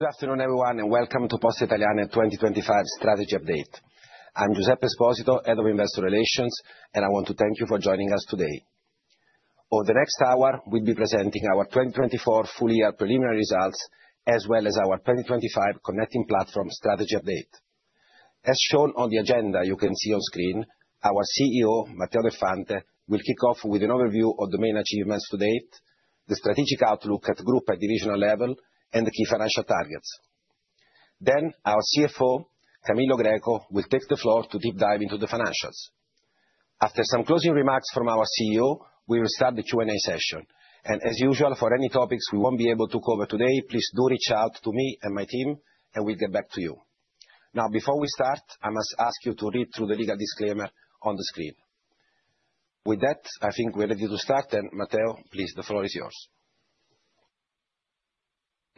Good afternoon, everyone, and welcome to Poste Italiane 2025 Strategy Update. I'm Giuseppe Esposito, Head of Investor Relations, and I want to thank you for joining us today. Over the next hour, we'll be presenting our 2024 full-year preliminary results, as well as our 2025 Connecting Platforms Strategy Update. As shown on the agenda you can see on screen, our CEO, Matteo Del Fante, will kick off with an overview of domain achievements to date, the strategic outlook at the Group and Division level, and the key financial targets. Then, our CFO, Camillo Greco, will take the floor to deep dive into the financials. After some closing remarks from our CEO, we will start the Q&A session. As usual, for any topics we won't be able to cover today, please do reach out to me and my TIM, and we'll get back to you. Now, before we start, I must ask you to read through the legal disclaimer on the screen. With that, I think we're ready to start and Matteo, please, the floor is yours.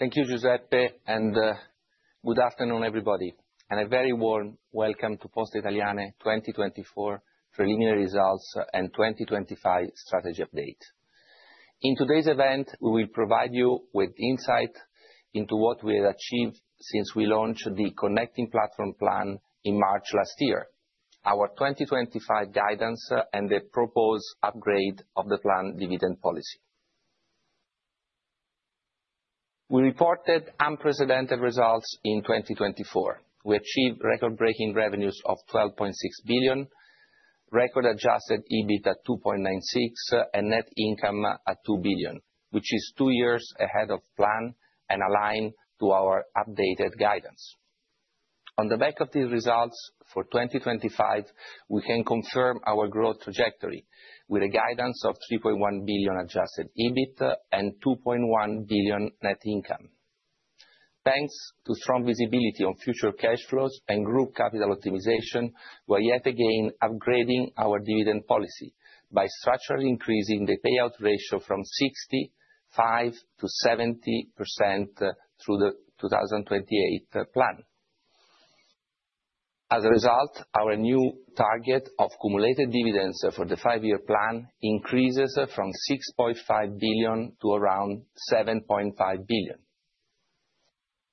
Thank you, Giuseppe, and good afternoon, everybody, and a very warm welcome to Poste Italiane 2024 Preliminary Results and 2025 Strategy Update. In today's event, we will provide you with insight into what we have achieved since we launched the Connecting Platforms Plan in March last year, our 2025 guidance, and the proposed upgrade of the planned dividend policy. We reported unprecedented results in 2024. We achieved record-breaking revenues of 12.6 billion, record-adjusted EBITDA of 2.96 billion, and net income at 2 billion, which is two years ahead of plan and aligned to our updated guidance. On the back of these results for 2025, we can confirm our growth trajectory with a guidance of 3.1 billion Adjusted EBIT and 2.1 billion net income. Thanks to strong visibility on future cash flows and group capital optimization, we are yet again upgrading our dividend policy by structurally increasing the payout ratio from 65%-70% through the 2028 plan. As a result, our new target of cumulated dividends for the five-year plan increases from 6.5 billion to around 7.5 billion.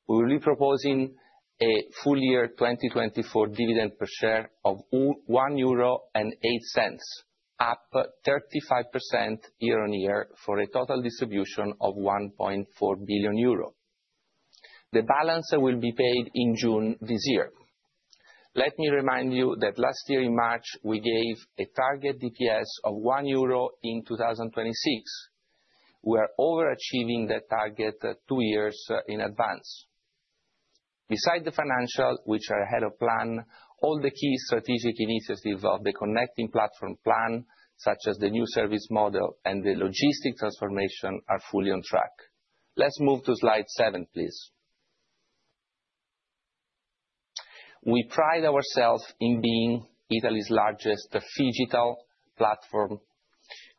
We will be proposing a full-year 2024 dividend per share of 1.08 euro, up 35% year-on-year for a total distribution of 1.4 billion euro. The balance will be paid in June this year. Let me remind you that last year, in March, we gave a target DPS of 1.00 euro in 2026. We are overachieving that target two years in advance. Besides the financials, which are ahead of plan, all the key strategic initiatives of the Connecting Platforms Plan, such as the new service model and the logistics transformation, are fully on track. Let's move to slide seven, please. We pride ourselves in being Italy's largest phygital platform,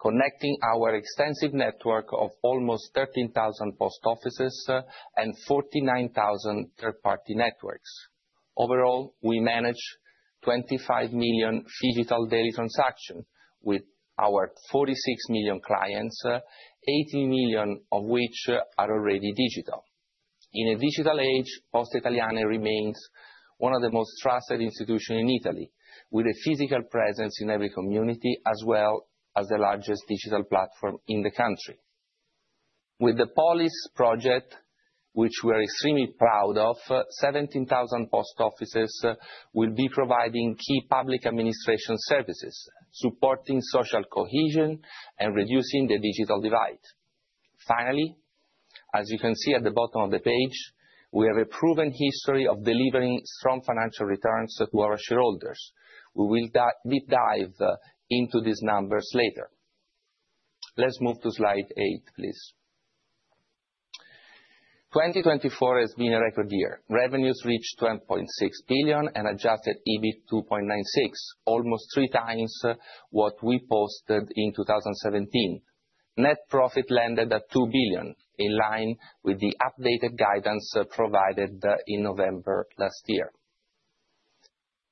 connecting our extensive network of almost 13,000 post offices and 49,000 third-party networks. Overall, we manage 25 million phygital daily transactions with our 46 million clients, 18 million of which are already digital. In a digital age, Poste Italiane remains one of the most trusted institutions in Italy, with a physical presence in every community, as well as the largest digital platform in the country. With the Polis project, which we are extremely proud of, 17,000 post offices will be providing key public administration services, supporting social cohesion and reducing the digital divide. Finally, as you can see at the bottom of the page, we have a proven history of delivering strong financial returns to our shareholders. We will deep dive into these numbers later. Let's move to slide eight, please. 2024 has been a record year. Revenues reached 12.6 billion and adjusted EBIT 2.96 billion, almost three times what we posted in 2017. Net profit landed at 2 billion, in line with the updated guidance provided in November last year.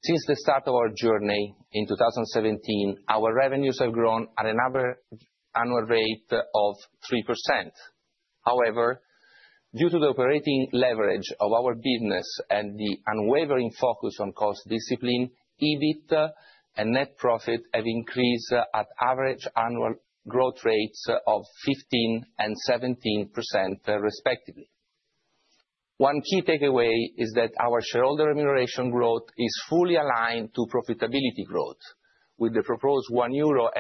Since the start of our journey in 2017, our revenues have grown at an average annual rate of 3%. However, due to the operating leverage of our business and the unwavering focus on cost discipline, EBIT and net profit have increased at average annual growth rates of 15% and 17%, respectively. One key takeaway is that our shareholder remuneration growth is fully aligned to profitability growth. With the proposed 1.08 euro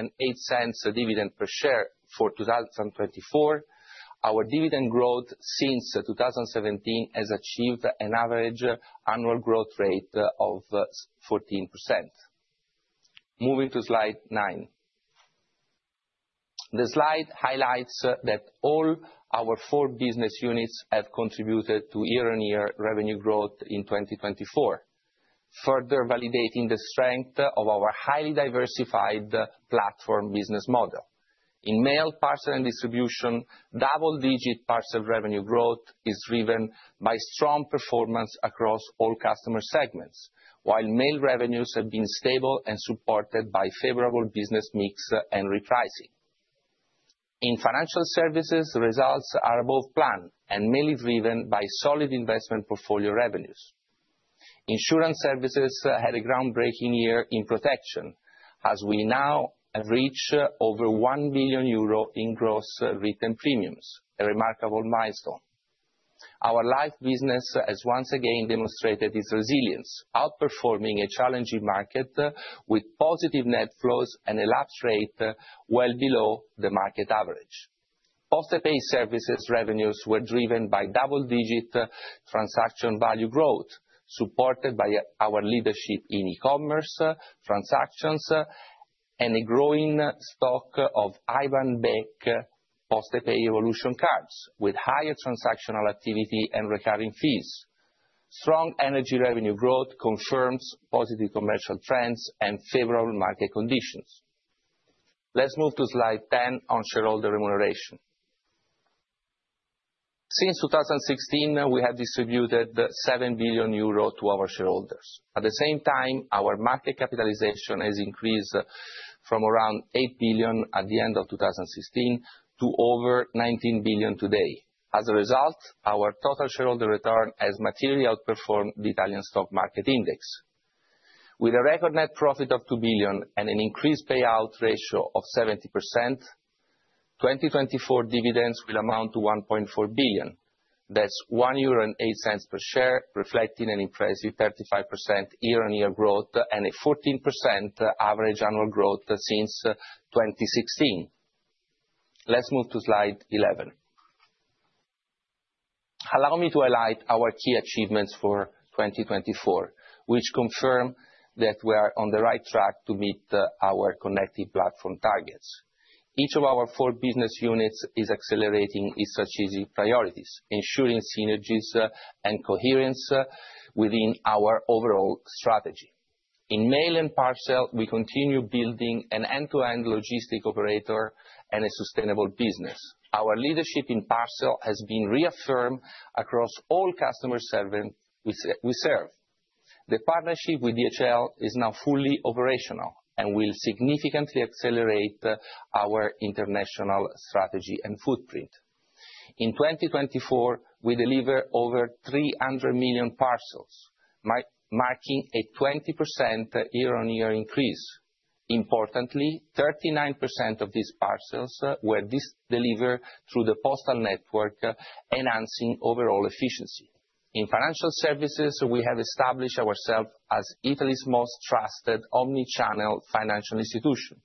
dividend per share for 2024, our dividend growth since 2017 has achieved an average annual growth rate of 14%. Moving to slide nine. The slide highlights that all our four business units have contributed to year-on-year revenue growth in 2024, further validating the strength of our highly diversified platform business model. In mail parcel and distribution, double-digit parcel revenue growth is driven by strong performance across all customer segments, while mail revenues have been stable and supported by favorable business mix and repricing. In financial services, results are above plan and mainly driven by solid investment portfolio revenues. Insurance services had a groundbreaking year in protection, as we now have reached over 1 billion euro in gross written premiums, a remarkable milestone. Our life business has once again demonstrated its resilience, outperforming a challenging market with positive net flows and a lapse rate well below the market average. Postepay services revenues were driven by double-digit transaction value growth, supported by our leadership in e-commerce transactions and a growing stock of IBAN-based Postepay Evolution cards, with higher transactional activity and recurring fees. Strong energy revenue growth confirms positive commercial trends and favorable market conditions. Let's move to slide 10 on shareholder remuneration. Since 2016, we have distributed 7 billion euros to our shareholders. At the same time, our market capitalization has increased from around 8 billion at the end of 2016 to over 19 billion today. As a result, our total shareholder return has materially outperformed the Italian stock market index. With a record net profit of 2 billion and an increased payout ratio of 70%, 2024 dividends will amount to 1.4 billion. That's 1.08 euro per share, reflecting an impressive 35% year-on-year growth and a 14% average annual growth since 2016. Let's move to slide 11. Allow me to highlight our key achievements for 2024, which confirm that we are on the right track to meet our Connecting Platforms targets. Each of our four business units is accelerating its strategic priorities, ensuring synergies and coherence within our overall strategy. In mail and parcel, we continue building an end-to-end logistics operator and a sustainable business. Our leadership in parcel has been reaffirmed across all customers we serve. The partnership with DHL is now fully operational and will significantly accelerate our international strategy and footprint. In 2024, we delivered over 300 million parcels, marking a 20% year-on-year increase. Importantly, 39% of these parcels were delivered through the postal network, enhancing overall efficiency. In financial services, we have established ourselves as Italy's most trusted omnichannel financial institution.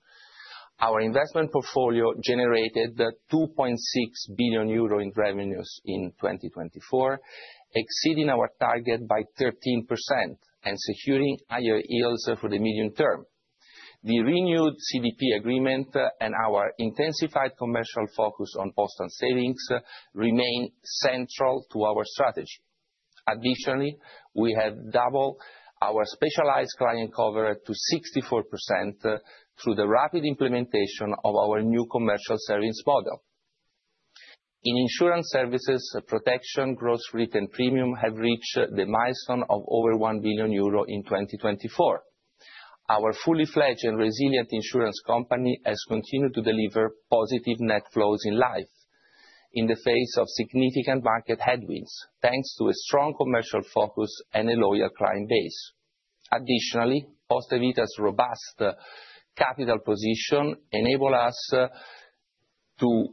Our investment portfolio generated 2.6 billion euro in revenues in 2024, exceeding our target by 13% and securing higher yields for the medium term. The renewed CDP agreement and our intensified commercial focus on postal savings remain central to our strategy. Additionally, we have doubled our specialized client coverage to 64% through the rapid implementation of our new commercial savings model. In insurance services, protection gross written premiums have reached the milestone of over 1 billion euro in 2024. Our fully-fledged and resilient insurance company has continued to deliver positive net flows in life in the face of significant market headwinds, thanks to a strong commercial focus and a loyal client base. Additionally, Poste Vita's robust capital position enables us to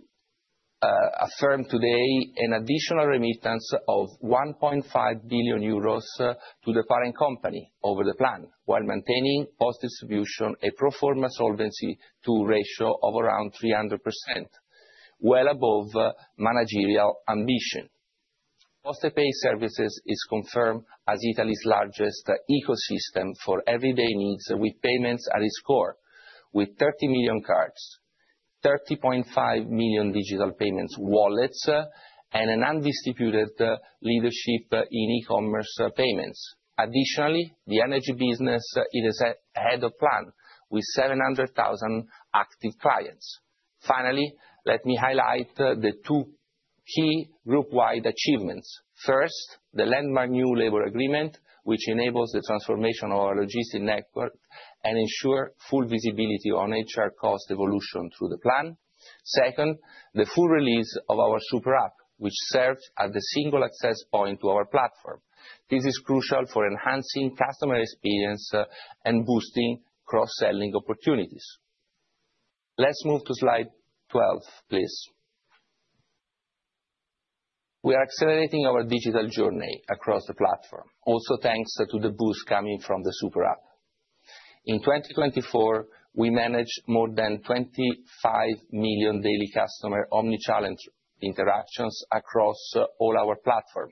affirm today an additional remittance of 1.5 billion euros to the parent company over the plan, while maintaining Poste Vita's a pro forma solvency ratio of around 300%, well above managerial ambition. Postepay Services is confirmed as Italy's largest ecosystem for everyday needs, with payments at its core, with 30 million cards, 30.5 million digital payments wallets, and an undisputed leadership in e-commerce payments. Additionally, the energy business is ahead of plan with 700,000 active clients. Finally, let me highlight the two key group-wide achievements. First, the landmark new labor agreement, which enables the transformation of our logistics network and ensures full visibility on HR cost evolution through the plan. Second, the full release of our Super App, which serves as the single access point to our platform. This is crucial for enhancing customer experience and boosting cross-selling opportunities. Let's move to slide 12, please. We are accelerating our digital journey across the platform, also thanks to the boost coming from the Super App. In 2024, we managed more than 25 million daily customer omnichannel interactions across all our platform,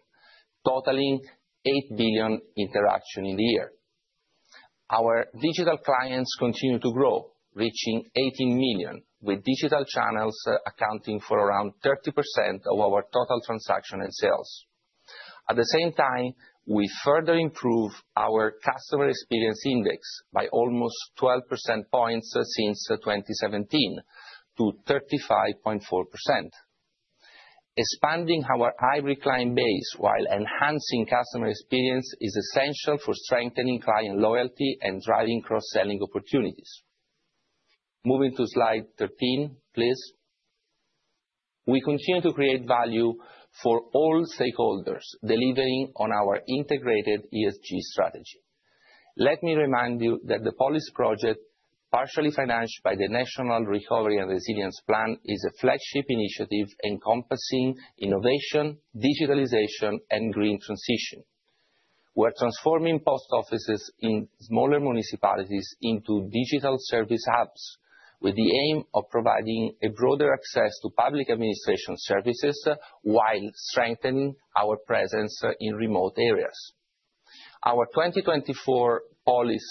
totaling 8 billion interactions in the year. Our digital clients continue to grow, reaching 18 million, with digital channels accounting for around 30% of our total transactions and sales. At the same time, we further improved our customer experience index by almost 12 percentage points since 2017 to 35.4%. Expanding our hybrid client base while enhancing customer experience is essential for strengthening client loyalty and driving cross-selling opportunities. Moving to slide 13, please. We continue to create value for all stakeholders, delivering on our integrated ESG strategy. Let me remind you that the Polis project, partially financed by the National Recovery and Resilience Plan, is a flagship initiative encompassing innovation, digitalization, and green transition. We are transforming post offices in smaller municipalities into digital service hubs with the aim of providing broader access to public administration services while strengthening our presence in remote areas. Our 2024 Polis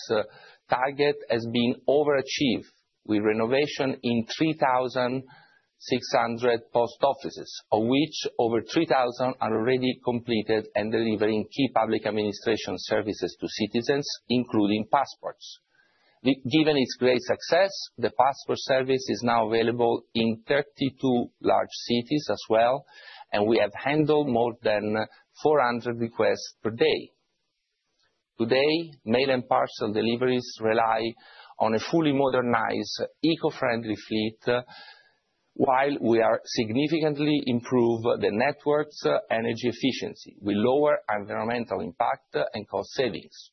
target has been overachieved with renovation in 3,600 post offices, of which over 3,000 are already completed and delivering key public administration services to citizens, including passports. Given its great success, the passport service is now available in 32 large cities as well, and we have handled more than 400 requests per day. Today, mail and parcel deliveries rely on a fully modernized, eco-friendly fleet, while we are significantly improving the network's energy efficiency. We lower environmental impact and cost savings.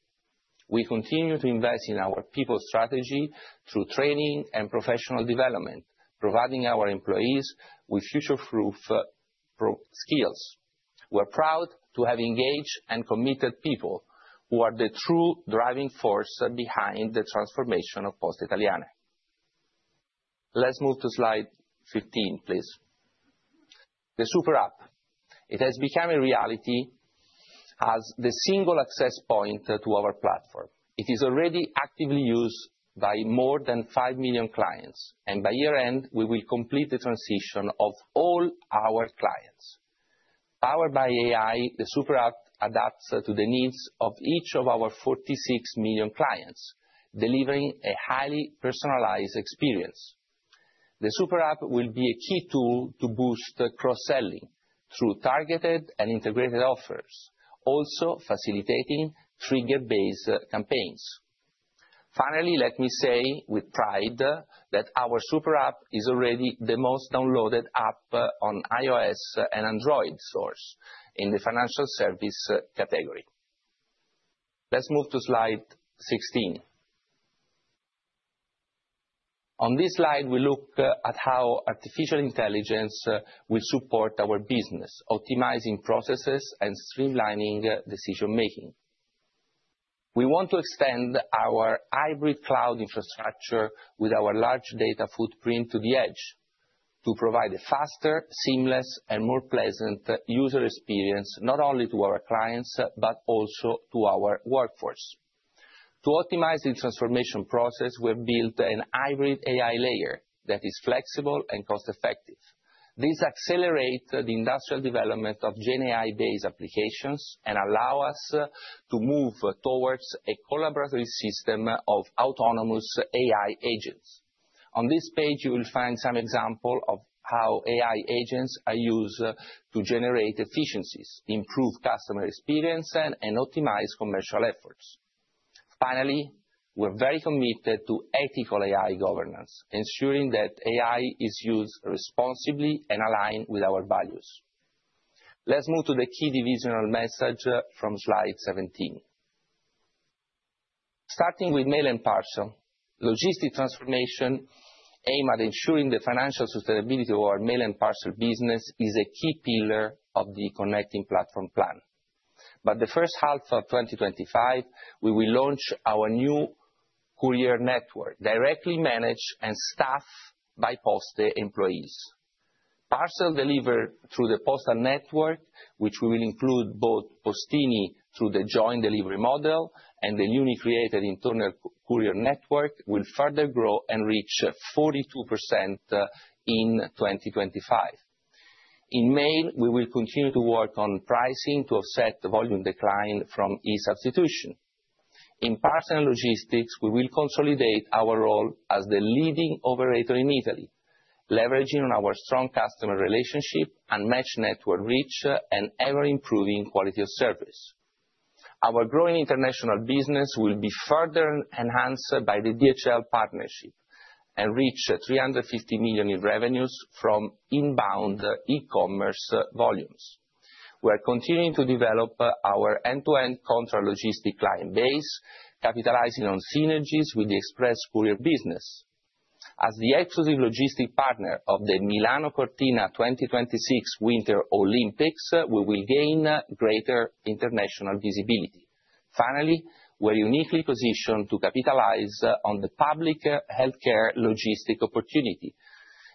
We continue to invest in our people strategy through training and professional development, providing our employees with future-proof skills. We are proud to have engaged and committed people who are the true driving force behind the transformation of Poste Italiane. Let's move to slide 15, please. The Super App. It has become a reality as the single access point to our platform. It is already actively used by more than five million clients, and by year-end, we will complete the transition of all our clients. Powered by AI, the Super App adapts to the needs of each of our 46 million clients, delivering a highly personalized experience. The Super App will be a key tool to boost cross-selling through targeted and integrated offers, also facilitating trigger-based campaigns. Finally, let me say with pride that our Super App is already the most downloaded app on iOS and Android stores in the financial services category. Let's move to slide 16. On this slide, we look at how artificial intelligence will support our business, optimizing processes and streamlining decision-making. We want to extend our hybrid cloud infrastructure with our large data footprint to the edge to provide a faster, seamless, and more pleasant user experience not only to our clients but also to our workforce. To optimize the transformation process, we have built a hybrid AI layer that is flexible and cost-effective. This accelerates the industrial development of GenAI-based applications and allows us to move towards a collaborative system of autonomous AI agents. On this page, you will find some examples of how AI agents are used to generate efficiencies, improve customer experience, and optimize commercial efforts. Finally, we are very committed to ethical AI governance, ensuring that AI is used responsibly and aligned with our values. Let's move to the key divisional message from slide 17. Starting with mail and parcel, logistics transformation aimed at ensuring the financial sustainability of our mail and parcel business is a key pillar of the Connecting Platforms plan. But the first half of 2025, we will launch our new courier network, directly managed and staffed by Poste employees. Parcel delivery through the postal network, which will include both Postini through the joint delivery model and the newly created internal courier network, will further grow and reach 42% in 2025. In mail, we will continue to work on pricing to offset the volume decline from e-substitution. In parcel logistics, we will consolidate our role as the leading operator in Italy, leveraging our strong customer relationship and matched network reach and ever-improving quality of service. Our growing international business will be further enhanced by the DHL partnership and reach 350 million in revenues from inbound e-commerce volumes. We are continuing to develop our end-to-end contract logistics client base, capitalizing on synergies with the express courier business. As the exclusive logistics partner of the Milano Cortina 2026 Winter Olympics, we will gain greater international visibility. Finally, we are uniquely positioned to capitalize on the public healthcare logistics opportunity,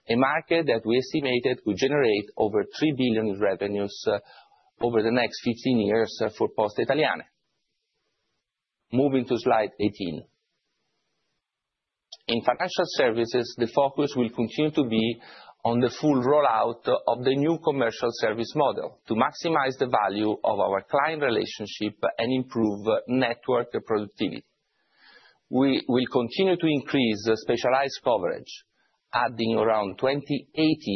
a market that we estimated could generate over 3 billion in revenues over the next 15 years for Poste Italiane. Moving to slide 18. In financial services, the focus will continue to be on the full rollout of the new commercial service model to maximize the value of our client relationship and improve network productivity. We will continue to increase specialized coverage, adding around 20-80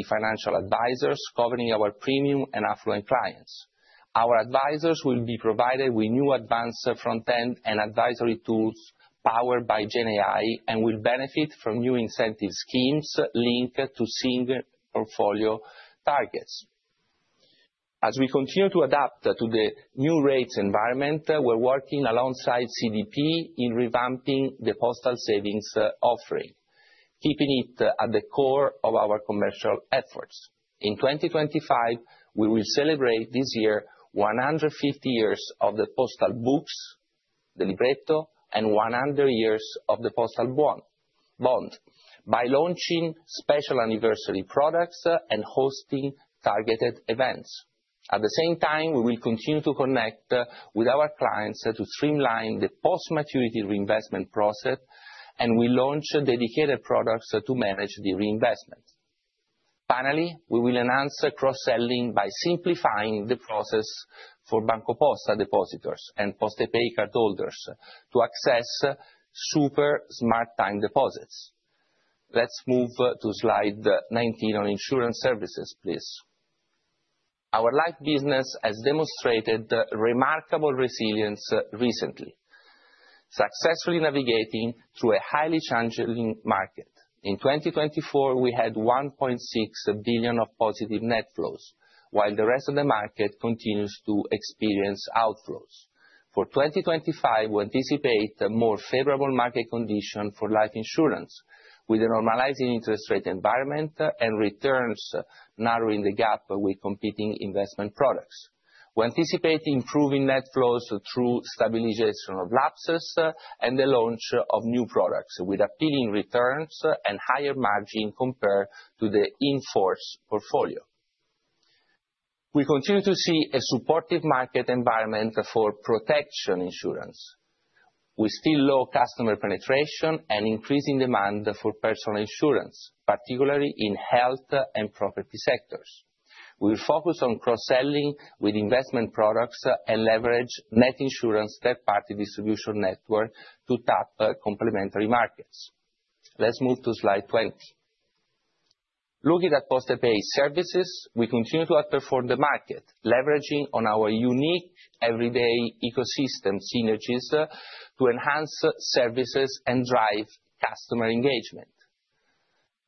financial advisors covering our premium and affluent clients. Our advisors will be provided with new advanced front-end and advisory tools powered by GenAI and will benefit from new incentive schemes linked to single portfolio targets. As we continue to adapt to the new rates environment, we are working alongside CDP in revamping the postal savings offering, keeping it at the core of our commercial efforts. In 2025, we will celebrate this year 150 years of the postal books, the Libretto, and 100 years of the postal bond by launching special anniversary products and hosting targeted events. At the same time, we will continue to connect with our clients to streamline the post-maturity reinvestment process, and we launched dedicated products to manage the reinvestment. Finally, we will enhance cross-selling by simplifying the process for BancoPosta depositors and Postepay cardholders to access super smart time deposits. Let's move to slide 19 on insurance services, please. Our life business has demonstrated remarkable resilience recently, successfully navigating through a highly challenging market. In 2024, we had 1.6 billion of positive net flows, while the rest of the market continues to experience outflows. For 2025, we anticipate more favorable market conditions for life insurance, with a normalizing interest rate environment and returns narrowing the gap with competing investment products. We anticipate improving net flows through stabilization of lapses and the launch of new products with appealing returns and higher margin compared to the in-force portfolio. We continue to see a supportive market environment for protection insurance with still low customer penetration and increasing demand for personal insurance, particularly in health and property sectors. We will focus on cross-selling with investment products and leverage Net Insurance third-party distribution network to tap complementary markets. Let's move to slide 20. Looking at Postepay services, we continue to outperform the market, leveraging on our unique everyday ecosystem synergies to enhance services and drive customer engagement.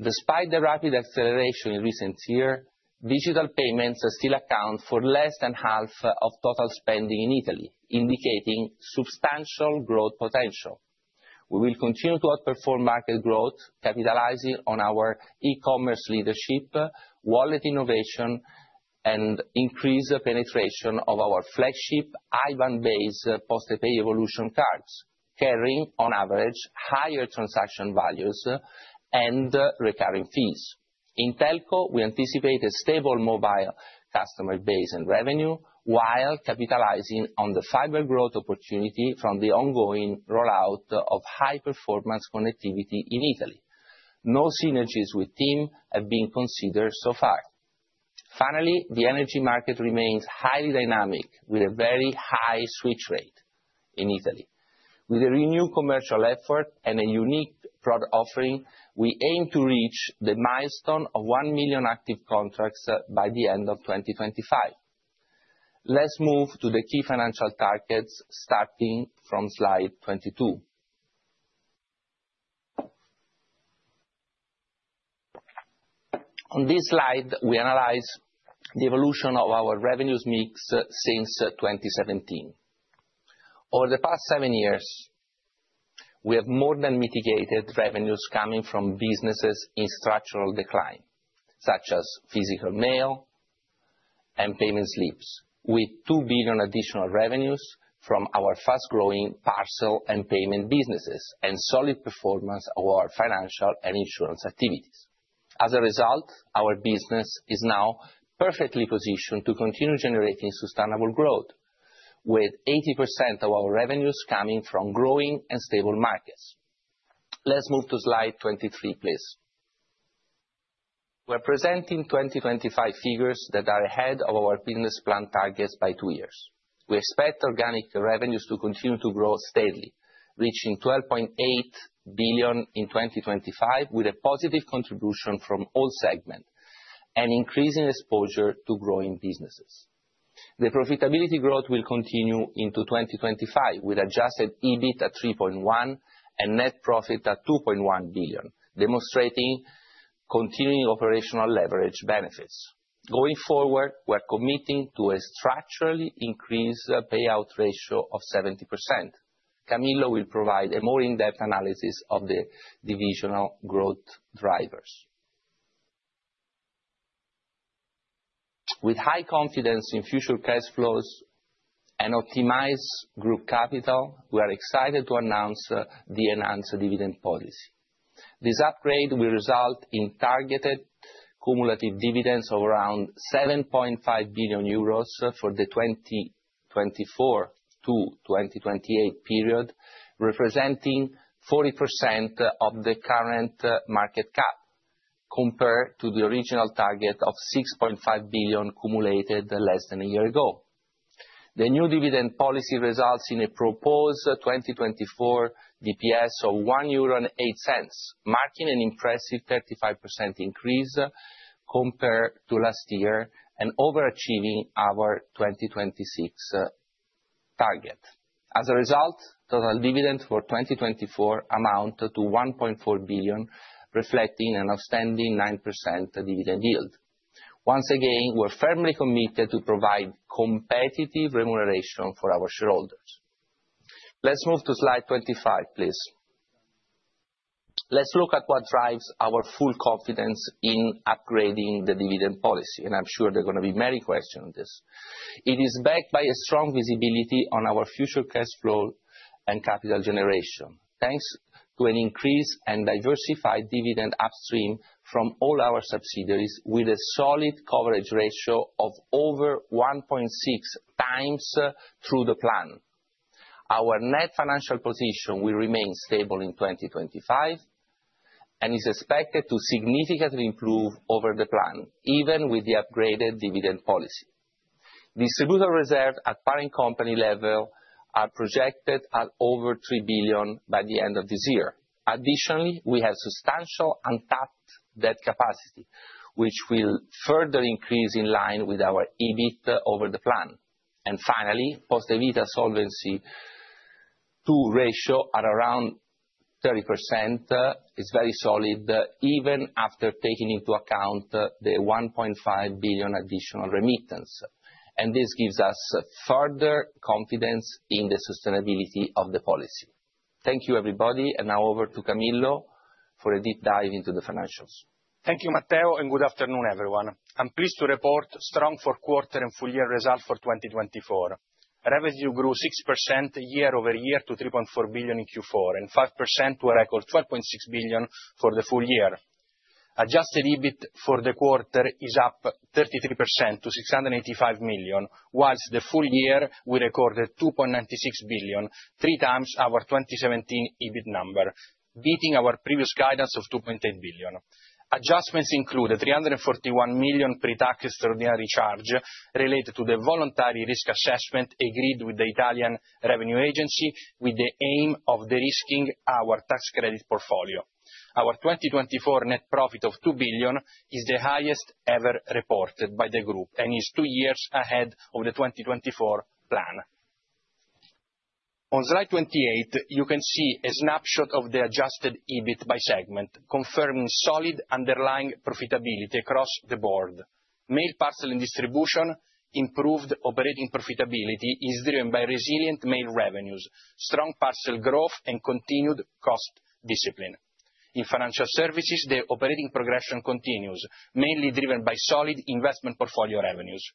Despite the rapid acceleration in recent years, digital payments still account for less than half of total spending in Italy, indicating substantial growth potential. We will continue to outperform market growth, capitalizing on our e-commerce leadership, wallet innovation, and increased penetration of our flagship IBAN-based Postepay Evolution cards, carrying on average higher transaction values and recurring fees. In telco, we anticipate a stable mobile customer base and revenue, while capitalizing on the fiber growth opportunity from the ongoing rollout of high-performance connectivity in Italy. No synergies with TIM have been considered so far. Finally, the energy market remains highly dynamic with a very high switch rate in Italy. With a renewed commercial effort and a unique product offering, we aim to reach the milestone of 1 million active contracts by the end of 2025. Let's move to the key financial targets starting from slide 22. On this slide, we analyze the evolution of our revenues mix since 2017. Over the past seven years, we have more than mitigated revenues coming from businesses in structural decline, such as physical mail and payment slips, with 2 billion additional revenues from our fast-growing parcel and payment businesses and solid performance of our financial and insurance activities. As a result, our business is now perfectly positioned to continue generating sustainable growth, with 80% of our revenues coming from growing and stable markets. Let's move to slide 23, please. We are presenting 2025 figures that are ahead of our business plan targets by two years. We expect organic revenues to continue to grow steadily, reaching 12.8 billion in 2025 with a positive contribution from all segments and increasing exposure to growing businesses. The profitability growth will continue into 2025 with Adjusted EBIT at 3.1 and net profit at 2.1 billion, demonstrating continuing operational leverage benefits. Going forward, we are committing to a structurally increased payout ratio of 70%. Camillo will provide a more in-depth analysis of the divisional growth drivers. With high confidence in future cash flows and optimized group capital, we are excited to announce the enhanced dividend policy. This upgrade will result in targeted cumulative dividends of around 7.5 billion euros for the 2024-2028 period, representing 40% of the current market cap compared to the original target of 6.5 billion cumulative less than a year ago. The new dividend policy results in a proposed 2024 DPS of 1.08 euro, marking an impressive 35% increase compared to last year and overachieving our 2026 target. As a result, total dividend for 2024 amounts to 1.4 billion, reflecting an outstanding 9% dividend yield. Once again, we are firmly committed to provide competitive remuneration for our shareholders. Let's move to slide 25, please. Let's look at what drives our full confidence in upgrading the dividend policy, and I'm sure there are going to be many questions on this. It is backed by a strong visibility on our future cash flow and capital generation, thanks to an increased and diversified dividend upstream from all our subsidiaries with a solid coverage ratio of over 1.6 times through the plan. Our net financial position will remain stable in 2025 and is expected to significantly improve over the plan, even with the upgraded dividend policy. Distributable reserves at parent company level are projected at over 3 billion by the end of this year. Additionally, we have substantial untapped debt capacity, which will further increase in line with our EBIT over the plan. Finally, Poste Vita's Solvency II ratio at around 30% is very solid, even after taking into account the 1.5 billion additional remittance, and this gives us further confidence in the sustainability of the policy. Thank you, everybody, and now over to Camillo for a deep dive into the financials. Thank you, Matteo, and good afternoon, everyone. I'm pleased to report strong fourth quarter and full year result for 2024. Revenue grew 6% year-over-year to 3.4 billion in Q4 and 5% to a record 12.6 billion for the full year. Adjusted EBIT for the quarter is up 33% to 685 million, while the full year we recorded 2.96 billion, three times our 2017 EBIT number, beating our previous guidance of 2.8 billion. Adjustments include a 341 million pre-tax extraordinary charge related to the voluntary risk assessment agreed with the Italian Revenue Agency, with the aim of de-risking our tax credit portfolio. Our 2024 net profit of 2 billion is the highest ever reported by the group and is two years ahead of the 2024 plan. On slide 28, you can see a snapshot of the Adjusted EBIT by segment, confirming solid underlying profitability across the board. Mail, Parcel and Distribution improved operating profitability is driven by resilient mail revenues, strong parcel growth, and continued cost discipline. In Financial Services, the operating progression continues, mainly driven by solid investment portfolio revenues.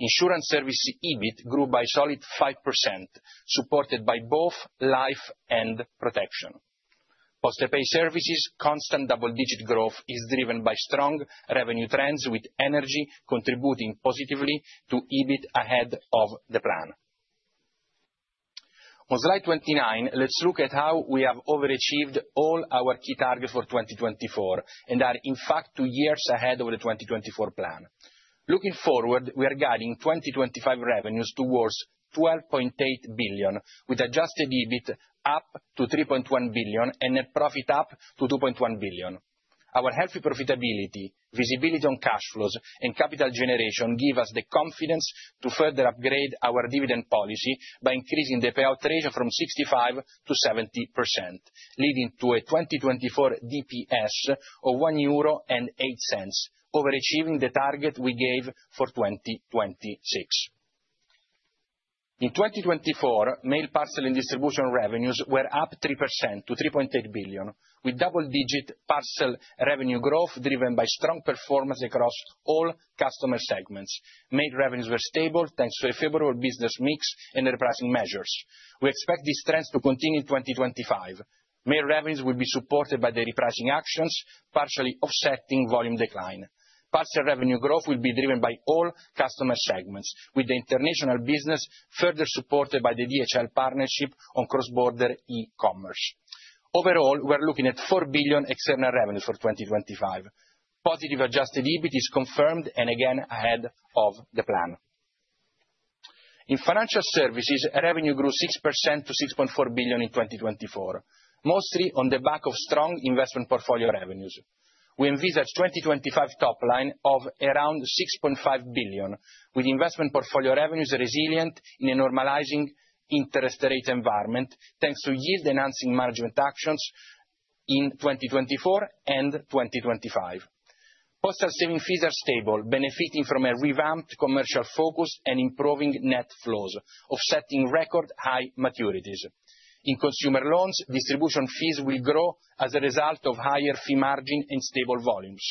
Insurance Services EBIT grew by a solid 5%, supported by both life and protection. Postepay Services' constant double-digit growth is driven by strong revenue trends, with energy contributing positively to EBIT ahead of the plan. On slide 29, let's look at how we have overachieved all our key targets for 2024 and are, in fact, two years ahead of the 2024 plan. Looking forward, we are guiding 2025 revenues towards 12.8 billion, with adjusted EBIT up to 3.1 billion and a profit up to 2.1 billion. Our healthy profitability, visibility on cash flows, and capital generation give us the confidence to further upgrade our dividend policy by increasing the payout ratio from 65%-70%, leading to a 2024 DPS of 1.08 euro, overachieving the target we gave for 2026. In 2024, mail parcel and distribution revenues were up 3% to 3.8 billion, with double-digit parcel revenue growth driven by strong performance across all customer segments. Mail revenues were stable thanks to a favorable business mix and repricing measures. We expect these trends to continue in 2025. Mail revenues will be supported by the repricing actions, partially offsetting volume decline. Parcel revenue growth will be driven by all customer segments, with the international business further supported by the DHL partnership on cross-border e-commerce. Overall, we are looking at 4 billion external revenues for 2025. Positive Adjusted EBIT is confirmed and again ahead of the plan. In financial services, revenue grew 6% to 6.4 billion in 2024, mostly on the back of strong investment portfolio revenues. We envisage a 2025 top line of around 6.5 billion, with investment portfolio revenues resilient in a normalizing interest rate environment thanks to yield-enhancing management actions in 2024 and 2025. Postal saving fees are stable, benefiting from a revamped commercial focus and improving net flows, offsetting record high maturities. In consumer loans, distribution fees will grow as a result of higher fee margin and stable volumes.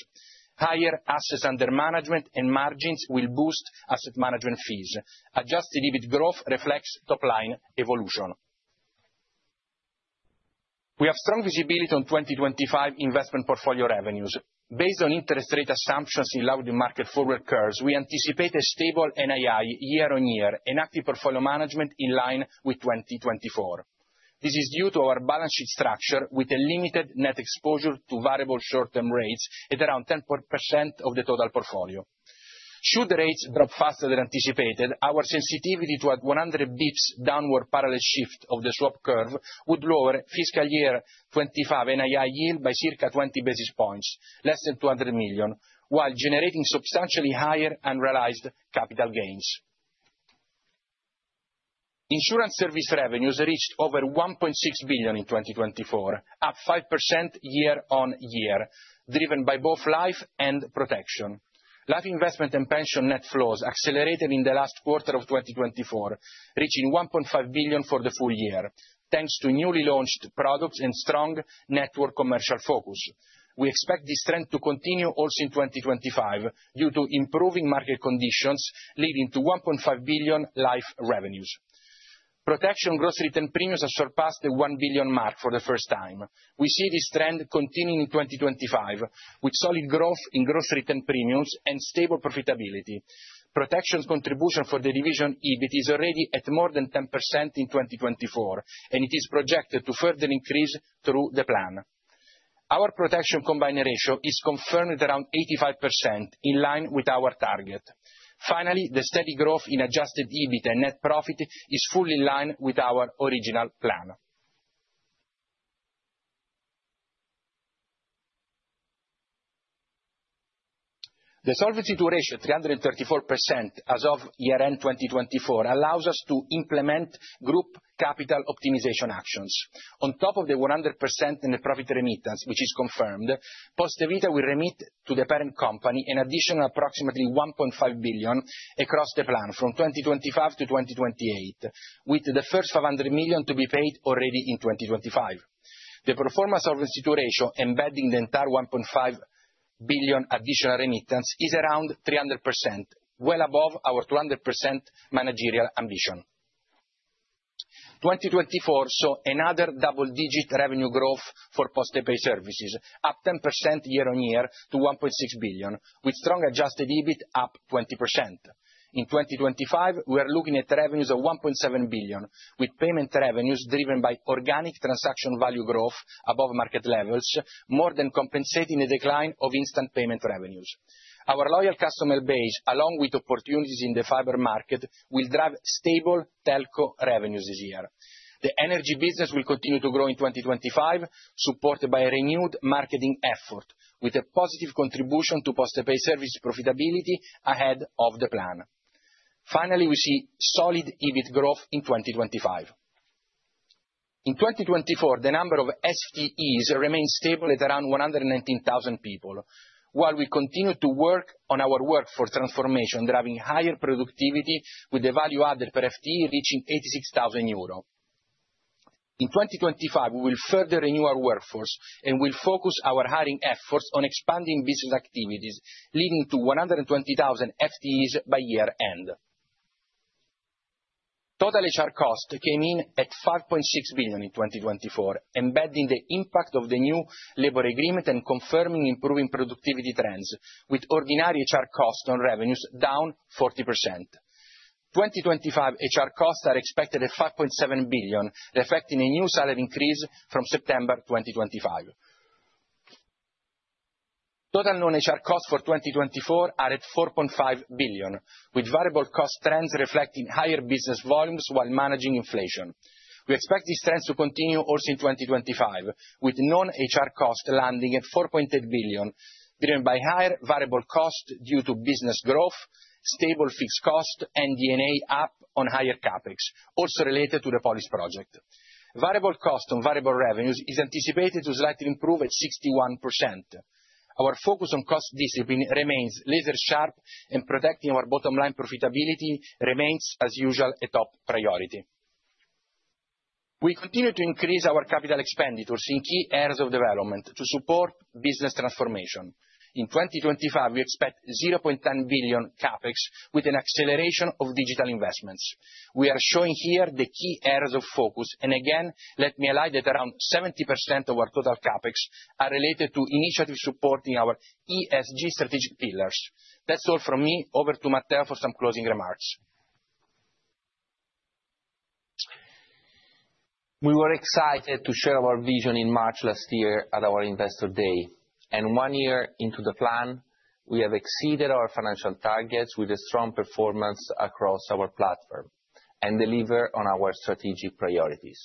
Higher assets under management and margins will boost asset management fees. Adjusted EBIT growth reflects top-line evolution. We have strong visibility on 2025 investment portfolio revenues. Based on interest rate assumptions in low-to-market forward curves, we anticipate a stable NII year-on-year and active portfolio management in line with 2024. This is due to our balance sheet structure with a limited net exposure to variable short-term rates at around 10% of the total portfolio. Should the rates drop faster than anticipated, our sensitivity to a 100 basis points downward parallel shift of the swap curve would lower fiscal year 2025 NII yield by circa 20 basis points, less than 200 million, while generating substantially higher unrealized capital gains. Insurance service revenues reached over 1.6 billion in 2024, up 5% year-on-year, driven by both life and protection. Life investment and pension net flows accelerated in the last quarter of 2024, reaching 1.5 billion for the full year, thanks to newly launched products and strong network commercial focus. We expect this trend to continue also in 2025 due to improving market conditions leading to 1.5 billion life revenues. Protection gross written premiums have surpassed the 1 billion mark for the first time. We see this trend continuing in 2025, with solid growth in gross written premiums and stable profitability. Protection contribution for the division EBIT is already at more than 10% in 2024, and it is projected to further increase through the plan. Our protection combined ratio is confirmed at around 85%, in line with our target. Finally, the steady growth in adjusted EBIT and net profit is fully in line with our original plan. The Solvency II ratio of 334% as of year-end 2024 allows us to implement group capital optimization actions. On top of the 100% in the profit remittance, which is confirmed, Poste Vita will remit to the parent company an additional approximately 1.5 billion across the plan from 2025-2028, with the first 500 million to be paid already in 2025. The performance Solvency II ratio embedding the entire 1.5 billion additional remittance is around 300%, well above our 200% managerial ambition. 2024 saw another double-digit revenue growth for Postepay Services, up 10% year-on-year to 1.6 billion, with strong Adjusted EBIT up 20%. In 2025, we are looking at revenues of 1.7 billion, with payment revenues driven by organic transaction value growth above market levels, more than compensating the decline of instant payment revenues. Our loyal customer base, along with opportunities in the fiber market, will drive stable telco revenues this year. The energy business will continue to grow in 2025, supported by a renewed marketing effort, with a positive contribution to Postepay services' profitability ahead of the plan. Finally, we see solid EBIT growth in 2025. In 2024, the number of FTEs remains stable at around 119,000 people, while we continue to work on our workforce transformation, driving higher productivity with the value added per FTE reaching 86,000 euro. In 2025, we will further renew our workforce and will focus our hiring efforts on expanding business activities, leading to 120,000 FTEs by year-end. Total HR cost came in at 5.6 billion in 2024, embedding the impact of the new labor agreement and confirming improving productivity trends, with ordinary HR cost on revenues down 40%. 2025 HR costs are expected at 5.7 billion, reflecting a new salary increase from September 2025. Total non-HR costs for 2024 are at 4.5 billion, with variable cost trends reflecting higher business volumes while managing inflation. We expect these trends to continue also in 2025, with non-HR cost landing at 4.8 billion, driven by higher variable cost due to business growth, stable fixed cost, and D&A up on higher CapEx, also related to the Polis project. Variable cost on variable revenues is anticipated to slightly improve at 61%. Our focus on cost discipline remains laser-sharp, and protecting our bottom-line profitability remains, as usual, a top priority. We continue to increase our capital expenditures in key areas of development to support business transformation. In 2025, we expect 0.10 billion CapEx, with an acceleration of digital investments. We are showing here the key areas of focus, and again, let me highlight that around 70% of our total CapEx are related to initiatives supporting our ESG strategic pillars. That's all from me. Over to Matteo for some closing remarks. We were excited to share our vision in March last year at our Investor Day, and one year into the plan, we have exceeded our financial targets with a strong performance across our platform and delivered on our strategic priorities.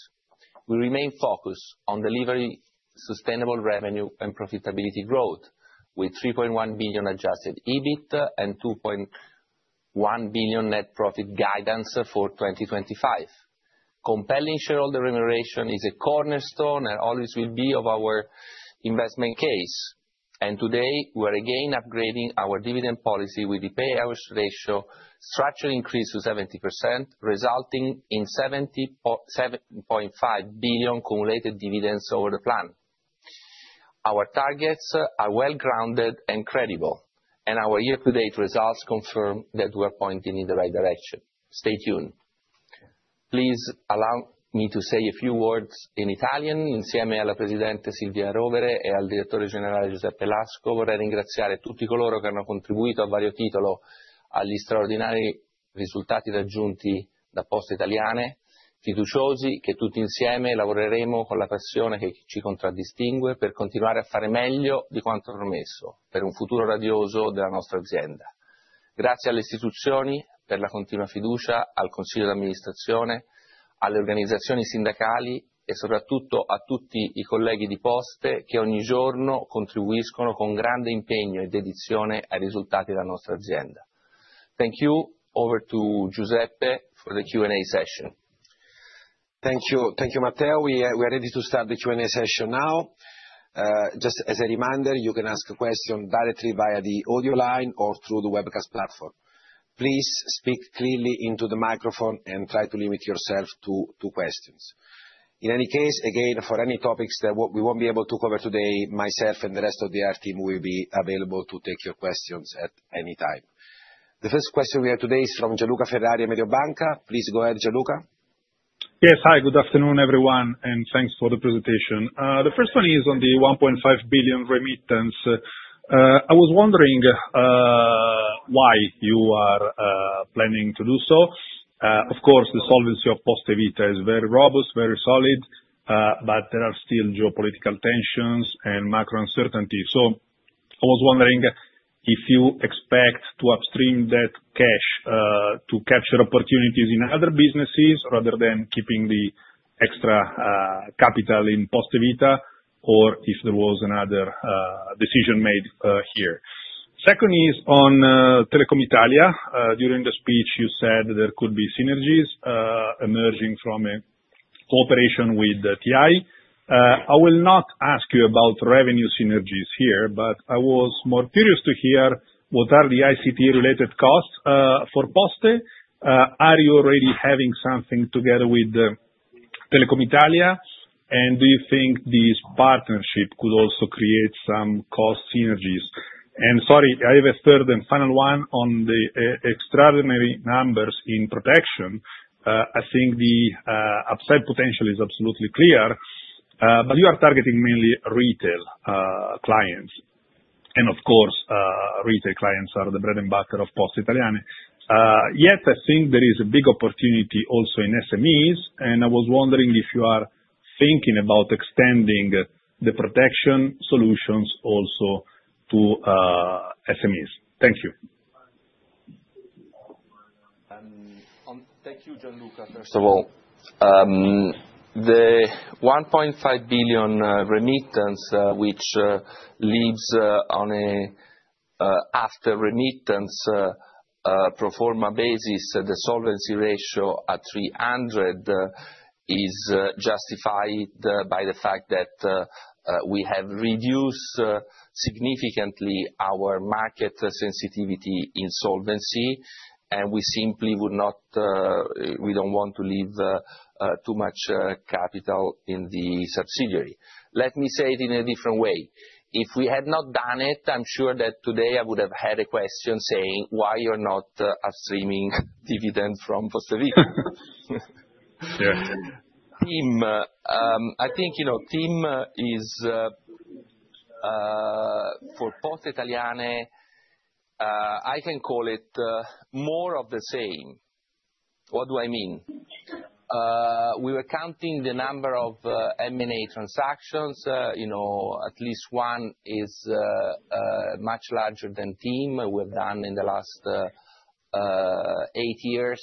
We remain focused on delivering sustainable revenue and profitability growth, with 3.1 billion adjusted EBIT and 2.1 billion net profit guidance for 2025. Compelling shareholder remuneration is a cornerstone and always will be of our investment case, and today we are again upgrading our dividend policy with the payout ratio structurally increased to 70%, resulting in 7.5 billion cumulative dividends over the plan. Our targets are well grounded and credible, and our year-to-date results confirm that we are pointing in the right direction. Stay tuned. Please allow me to say a few words in Italian. Insieme alla Presidente Silvia Rovere e al Direttore Generale Giuseppe Lasco vorrei ringraziare tutti coloro che hanno contribuito a vario titolo agli straordinari risultati raggiunti da Poste Italiane, fiduciosi che tutti insieme lavoreremo con la passione che ci contraddistingue per continuare a fare meglio di quanto promesso per un futuro radioso della nostra azienda. Grazie alle istituzioni per la continua fiducia, al Consiglio d'Amministrazione, alle organizzazioni sindacali e soprattutto a tutti i colleghi di Poste che ogni giorno contribuiscono con grande impegno e dedizione ai risultati della nostra azienda. Thank you. Over to Giuseppe for the Q&A session. Thank you, Matteo. We are ready to start the Q&A session now. Just as a reminder, you can ask a question directly via the audio line or through the webcast platform. Please speak clearly into the microphone and try to limit yourself to two questions. In any case, again, for any topics that we won't be able to cover today, myself and the rest of the IR TIM will be available to take your questions at any time. The first question we have today is from Gianluca Ferrari of Mediobanca. Please go ahead, Gianluca. Yes, hi, good afternoon, everyone, and thanks for the presentation. The first one is on the 1.5 billion remittance. I was wondering why you are planning to do so. Of course, the solvency of Poste Vita is very robust, very solid, but there are still geopolitical tensions and macro uncertainty. I was wondering if you expect to upstream that cash to capture opportunities in other businesses rather than keeping the extra capital in Poste Vita or if there was another decision made here. Second is on Telecom Italia. During the speech, you said there could be synergies emerging from a cooperation with TI. I will not ask you about revenue synergies here, but I was more curious to hear what are the ICT-related costs for Poste. Are you already having something together with Telecom Italia? And do you think this partnership could also create some cost synergies? And sorry, I have a third and final one on the extraordinary numbers in protection. I think the upside potential is absolutely clear, but you are targeting mainly retail clients. And of course, retail clients are the bread and butter of Poste Italiane. Yet I think there is a big opportunity also in SMEs, and I was wondering if you are thinking about extending the protection solutions also to SMEs. Thank you. Thank you, Gianluca, first of all. The 1.5 billion remittance, which leaves on an after remittance proforma basis, the solvency ratio at 300 is justified by the fact that we have reduced significantly our market sensitivity in solvency, and we simply would not, we don't want to leave too much capital in the subsidiary. Let me say it in a different way. If we had not done it, I'm sure that today I would have had a question saying, "Why you're not upstreaming dividends from Poste Vita?" Team, I think, you know, TIM is for Poste Italiane, I can call it more of the same. What do I mean? We were counting the number of M&A transactions, you know, at least one is much larger than TIM we have done in the last eight years,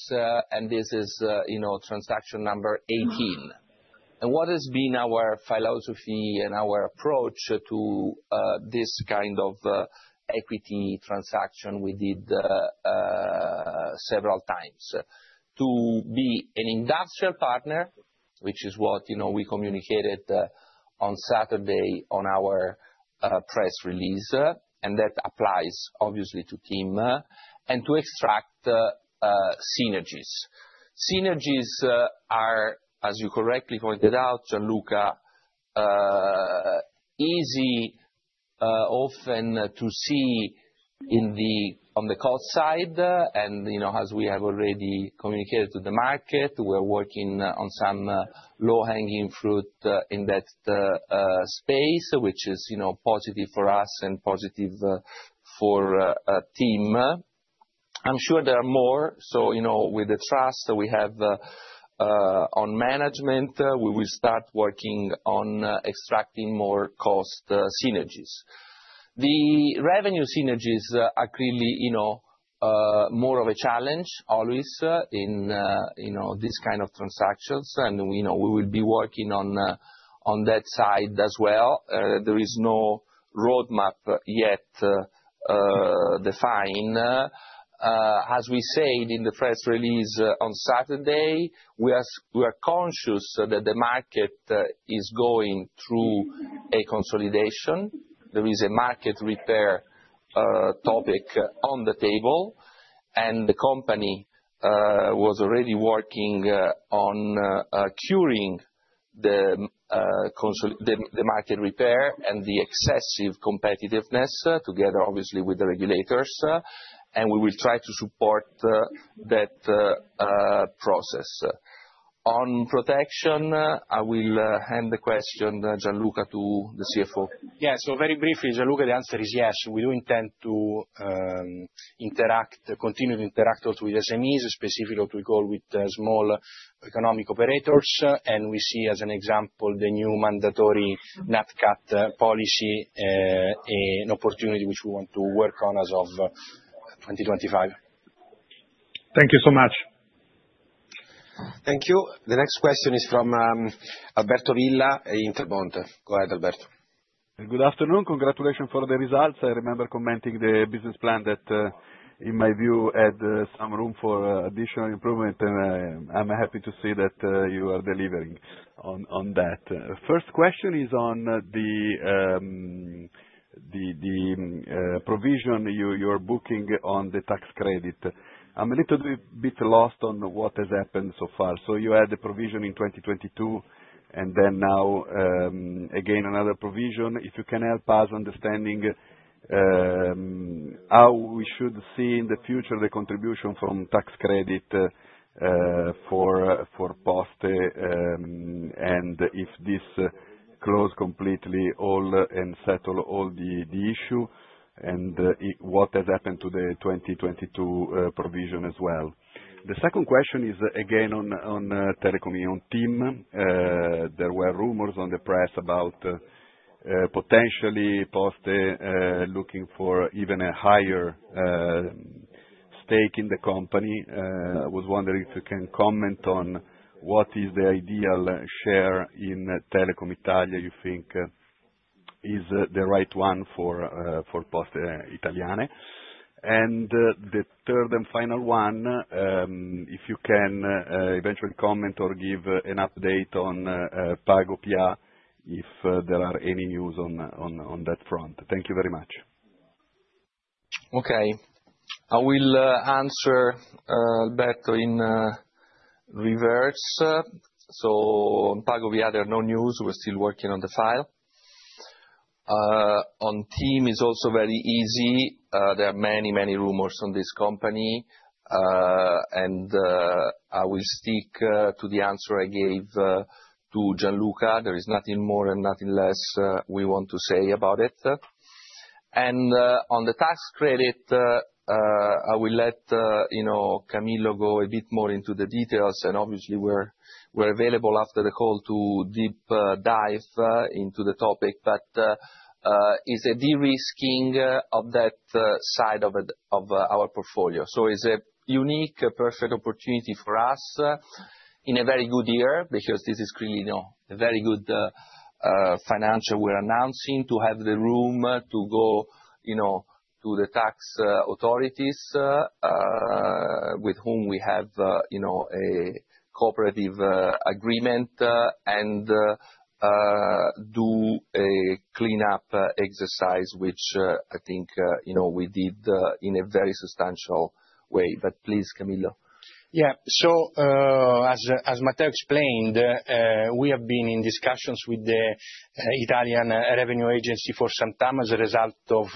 and this is, you know, transaction number 18. What has been our philosophy and our approach to this kind of equity transaction we did several times? To be an industrial partner, which is what, you know, we communicated on Saturday on our press release, and that applies obviously to TIM and to extract synergies. Synergies are, as you correctly pointed out, Gianluca, easy often to see on the cost side, and, you know, as we have already communicated to the market, we are working on some low-hanging fruit in that space, which is, you know, positive for us and positive for TIM. I'm sure there are more, so, you know, with the trust we have on management, we will start working on extracting more cost synergies. The revenue synergies are clearly, you know, more of a challenge always in, you know, these kind of transactions, and, you know, we will be working on that side as well. There is no roadmap yet defined. As we said in the press release on Saturday, we are conscious that the market is going through a consolidation. There is a market repair topic on the table, and the company was already working on curing the market repair and the excessive competitiveness together, obviously, with the regulators, and we will try to support that process. On protection, I will hand the question, Gianluca, to the CFO. Yeah, so very briefly, Gianluca, the answer is yes. We do intend to continue to interact with SMEs, specifically what we call with small economic operators, and we see as an example the new mandatory NATCAT policy and opportunity which we want to work on as of 2025. Thank you so much. Thank you. The next question is from Alberto Villa in Intermonte. Go ahead, Alberto. Good afternoon. Congratulations for the results. I remember commenting the business plan that, in my view, had some room for additional improvement, and I'm happy to see that you are delivering on that. First question is on the provision you are booking on the tax credit. I'm a little bit lost on what has happened so far. So you had the provision in 2022, and then now again another provision. If you can help us understanding how we should see in the future the contribution from tax credit for Poste and if this close completely all and settle all the issue and what has happened to the 2022 provision as well. The second question is again on TIM. There were rumors on the press about potentially Poste looking for even a higher stake in the company. I was wondering if you can comment on what is the ideal share in Telecom Italia you think is the right one for Poste Italiane. And the third and final one, if you can eventually comment or give an update on PagoPA if there are any news on that front. Thank you very much. Okay. I will answer Alberto in reverse. So on PagoPA, there are no news. We're still working on the file. On TIM is also very easy. There are many, many rumors on this company, and I will stick to the answer I gave to Gianluca. There is nothing more and nothing less we want to say about it. And on the tax credit, I will let Camillo go a bit more into the details, and obviously we're available after the call to deep dive into the topic, but it's a de-risking of that side of our portfolio. So it's a unique, perfect opportunity for us in a very good year because this is clearly a very good financial. We're announcing to have the room to go to the tax authorities with whom we have a cooperative agreement and do a clean-up exercise, which I think we did in a very substantial way. But please, Camillo. Yeah, so as Matteo explained, we have been in discussions with the Italian Revenue Agency for some time as a result of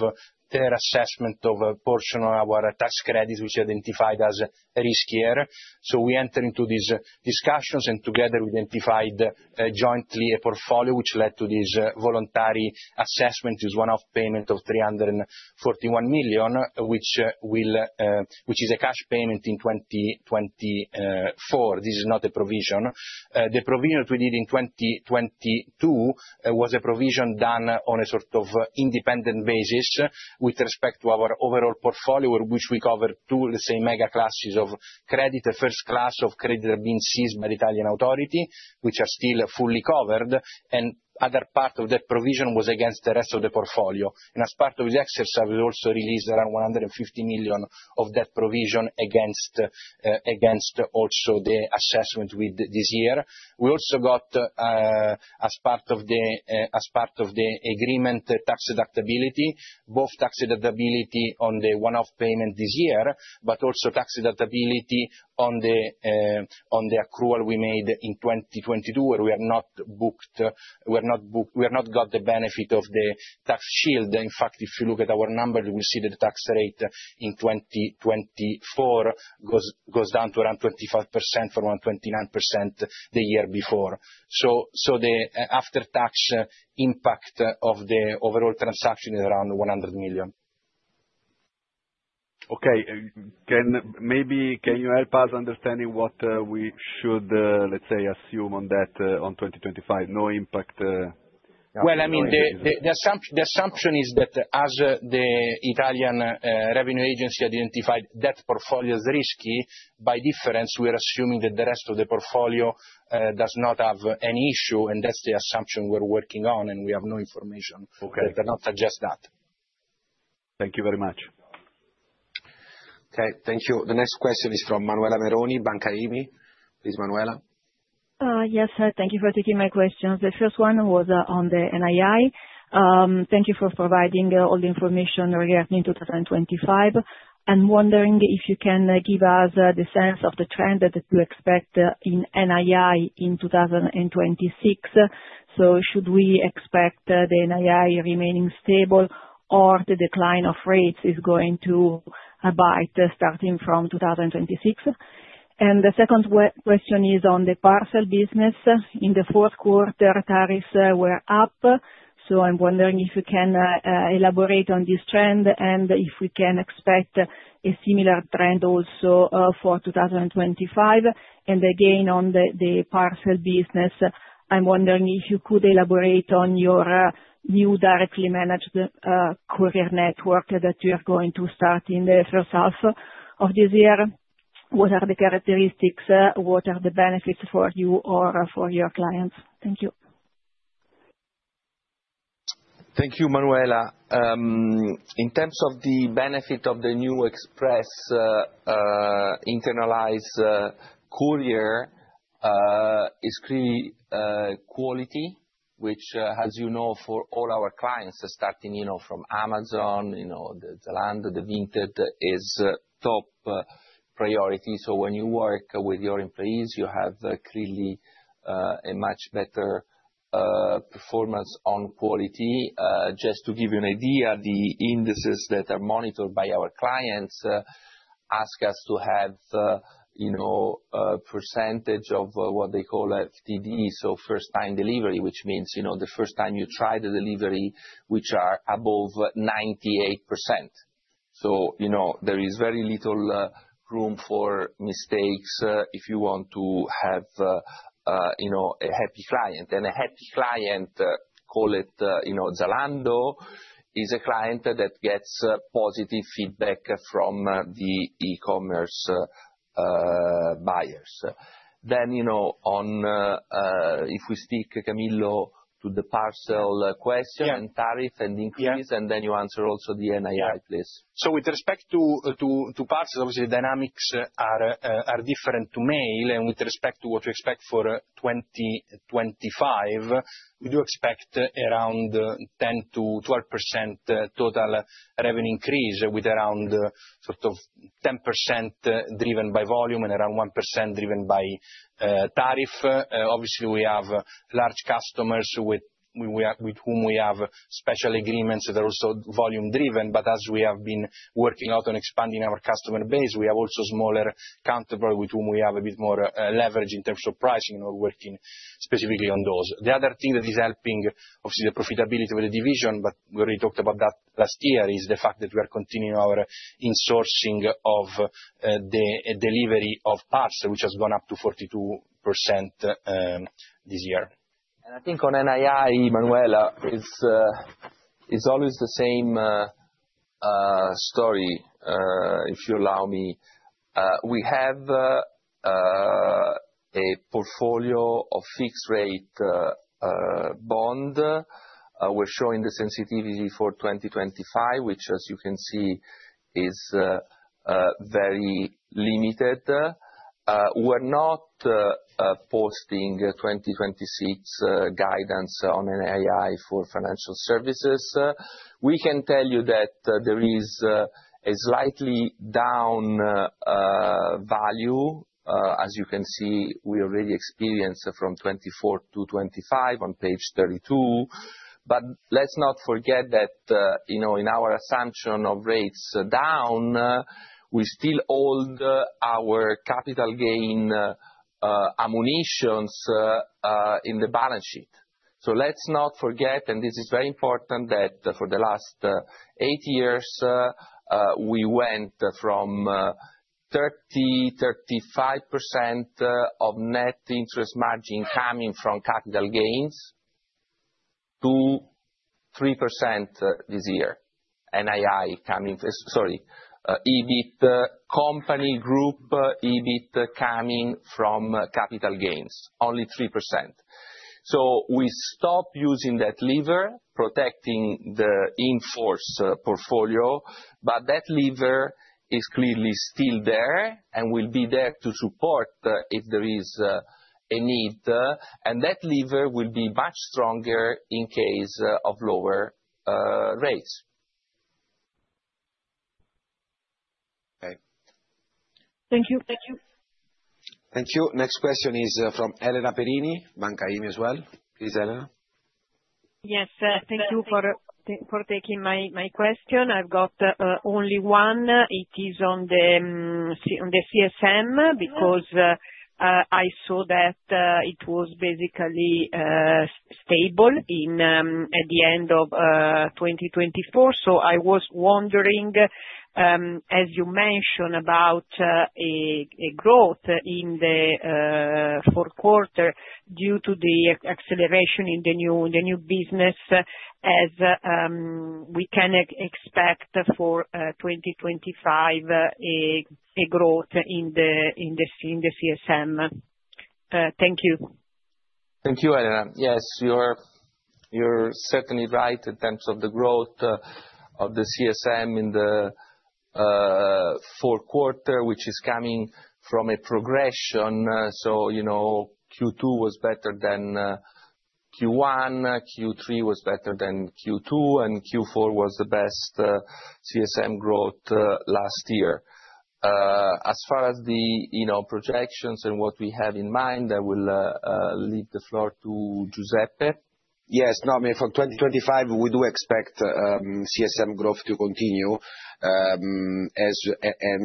their assessment of a portion of our tax credits which are identified as riskier. So we entered into these discussions and together we identified jointly a portfolio which led to this voluntary assessment. It was one-off payment of 341 million, which is a cash payment in 2024. This is not a provision. The provision that we did in 2022 was a provision done on a sort of independent basis with respect to our overall portfolio, which we covered two, let's say, mega classes of credit. The first class of credit has been seized by the Italian authority, which are still fully covered, and other part of that provision was against the rest of the portfolio. As part of the exercise, we also released around 150 million of that provision against also the assessment with this year. We also got, as part of the agreement, tax deductibility, both tax deductibility on the one-off payment this year, but also tax deductibility on the accrual we made in 2022 where we are not booked, we have not got the benefit of the tax shield. In fact, if you look at our numbers, you will see that the tax rate in 2024 goes down to around 25% from around 29% the year before. So the after-tax impact of the overall transaction is around 100 million. Okay. Maybe can you help us understanding what we should, let's say, assume on that on 2025? No impact. Well, I mean, the assumption is that as the Italian Revenue Agency identified that portfolio is risky, by difference, we are assuming that the rest of the portfolio does not have any issue, and that's the assumption we're working on, and we have no information. Okay. That does not suggest that. Thank you very much. Okay, thank you. The next question is from Manuela Meroni, Banca IMI. Please, Manuela. Yes, thank you for taking my questions. The first one was on the NII. Thank you for providing all the information regarding 2025. I'm wondering if you can give us the sense of the trend that you expect in NII in 2026. So should we expect the NII remaining stable or the decline of rates is going to abide starting from 2026? And the second question is on the parcel business. In the fourth quarter, tariffs were up, so I'm wondering if you can elaborate on this trend and if we can expect a similar trend also for 2025, and again, on the parcel business, I'm wondering if you could elaborate on your new directly managed courier network that you're going to start in the first half of this year. What are the characteristics? What are the benefits for you or for your clients? Thank you. Thank you, Manuela. In terms of the benefit of the new express internalized courier, it's clearly quality, which, as you know, for all our clients starting from Amazon, the largest, the biggest, is top priority. So when you work with your employees, you have clearly a much better performance on quality. Just to give you an idea, the indices that are monitored by our clients ask us to have a percentage of what they call FTD, so first-time delivery, which means the first time you try the delivery, which are above 98%. So there is very little room for mistakes if you want to have a happy client. And a happy client, call it Zalando, is a client that gets positive feedback from the e-commerce buyers. Then, if we stick, Camillo, to the parcel question and tariff and increase, and then you answer also the NII, please. So with respect to parcels, obviously the dynamics are different to mail, and with respect to what we expect for 2025, we do expect around 10%-12% total revenue increase with around sort of 10% driven by volume and around 1% driven by tariff. Obviously, we have large customers with whom we have special agreements that are also volume-driven, but as we have been working out and expanding our customer base, we have also smaller counterparts with whom we have a bit more leverage in terms of pricing and we're working specifically on those. The other thing that is helping, obviously, the profitability of the division, but we already talked about that last year, is the fact that we are continuing our insourcing of the delivery of parcel, which has gone up to 42% this year, and I think on NII, Manuela, it's always the same story, if you allow me. We have a portfolio of fixed-rate bond. We're showing the sensitivity for 2025, which, as you can see, is very limited. We're not posting 2026 guidance on NII for financial services. We can tell you that there is a slightly down value, as you can see. We already experienced from 24 to 25 on page 32. But let's not forget that in our assumption of rates down, we still hold our capital gain ammunitions in the balance sheet. So let's not forget, and this is very important, that for the last eight years, we went from 30%-35% of net interest margin coming from capital gains to 3% this year. NII coming, sorry, EBIT company group, EBIT coming from capital gains, only 3%. So we stopped using that lever protecting the in-force portfolio, but that lever is clearly still there and will be there to support if there is a need. And that lever will be much stronger in case of lower rates. Okay. Thank you. Thank you. Thank you. Next question is from Elena Perini, Banca IMI as well. Please, Elena. Yes, thank you for taking my question. I've got only one. It is on the CSM because I saw that it was basically stable at the end of 2024. So I was wondering, as you mentioned, about a growth in the fourth quarter due to the acceleration in the new business as we can expect for 2025 a growth in the CSM. Thank you. Thank you, Elena. Yes, you're certainly right in terms of the growth of the CSM in the fourth quarter, which is coming from a progression. So Q2 was better than Q1, Q3 was better than Q2, and Q4 was the best CSM growth last year. As far as the projections and what we have in mind, I will leave the floor to Giuseppe. Yes. No, I mean, for 2025, we do expect CSM growth to continue and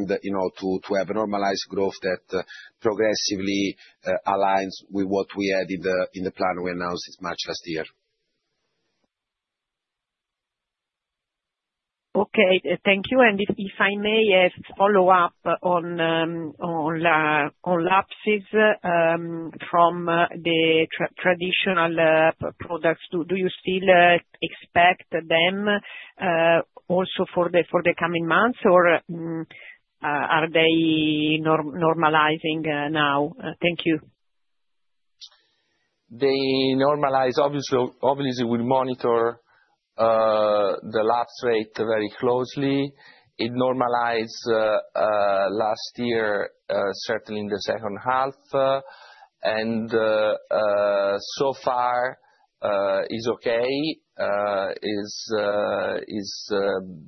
to have a normalized growth that progressively aligns with what we had in the plan we announced this March last year. Okay. Thank you. And if I may follow up on lapses from the traditional products, do you still expect them also for the coming months, or are they normalizing now? Thank you. They normalize. Obviously, we monitor the lapse rate very closely. It normalized last year, certainly in the second half. And so far, it's okay. It's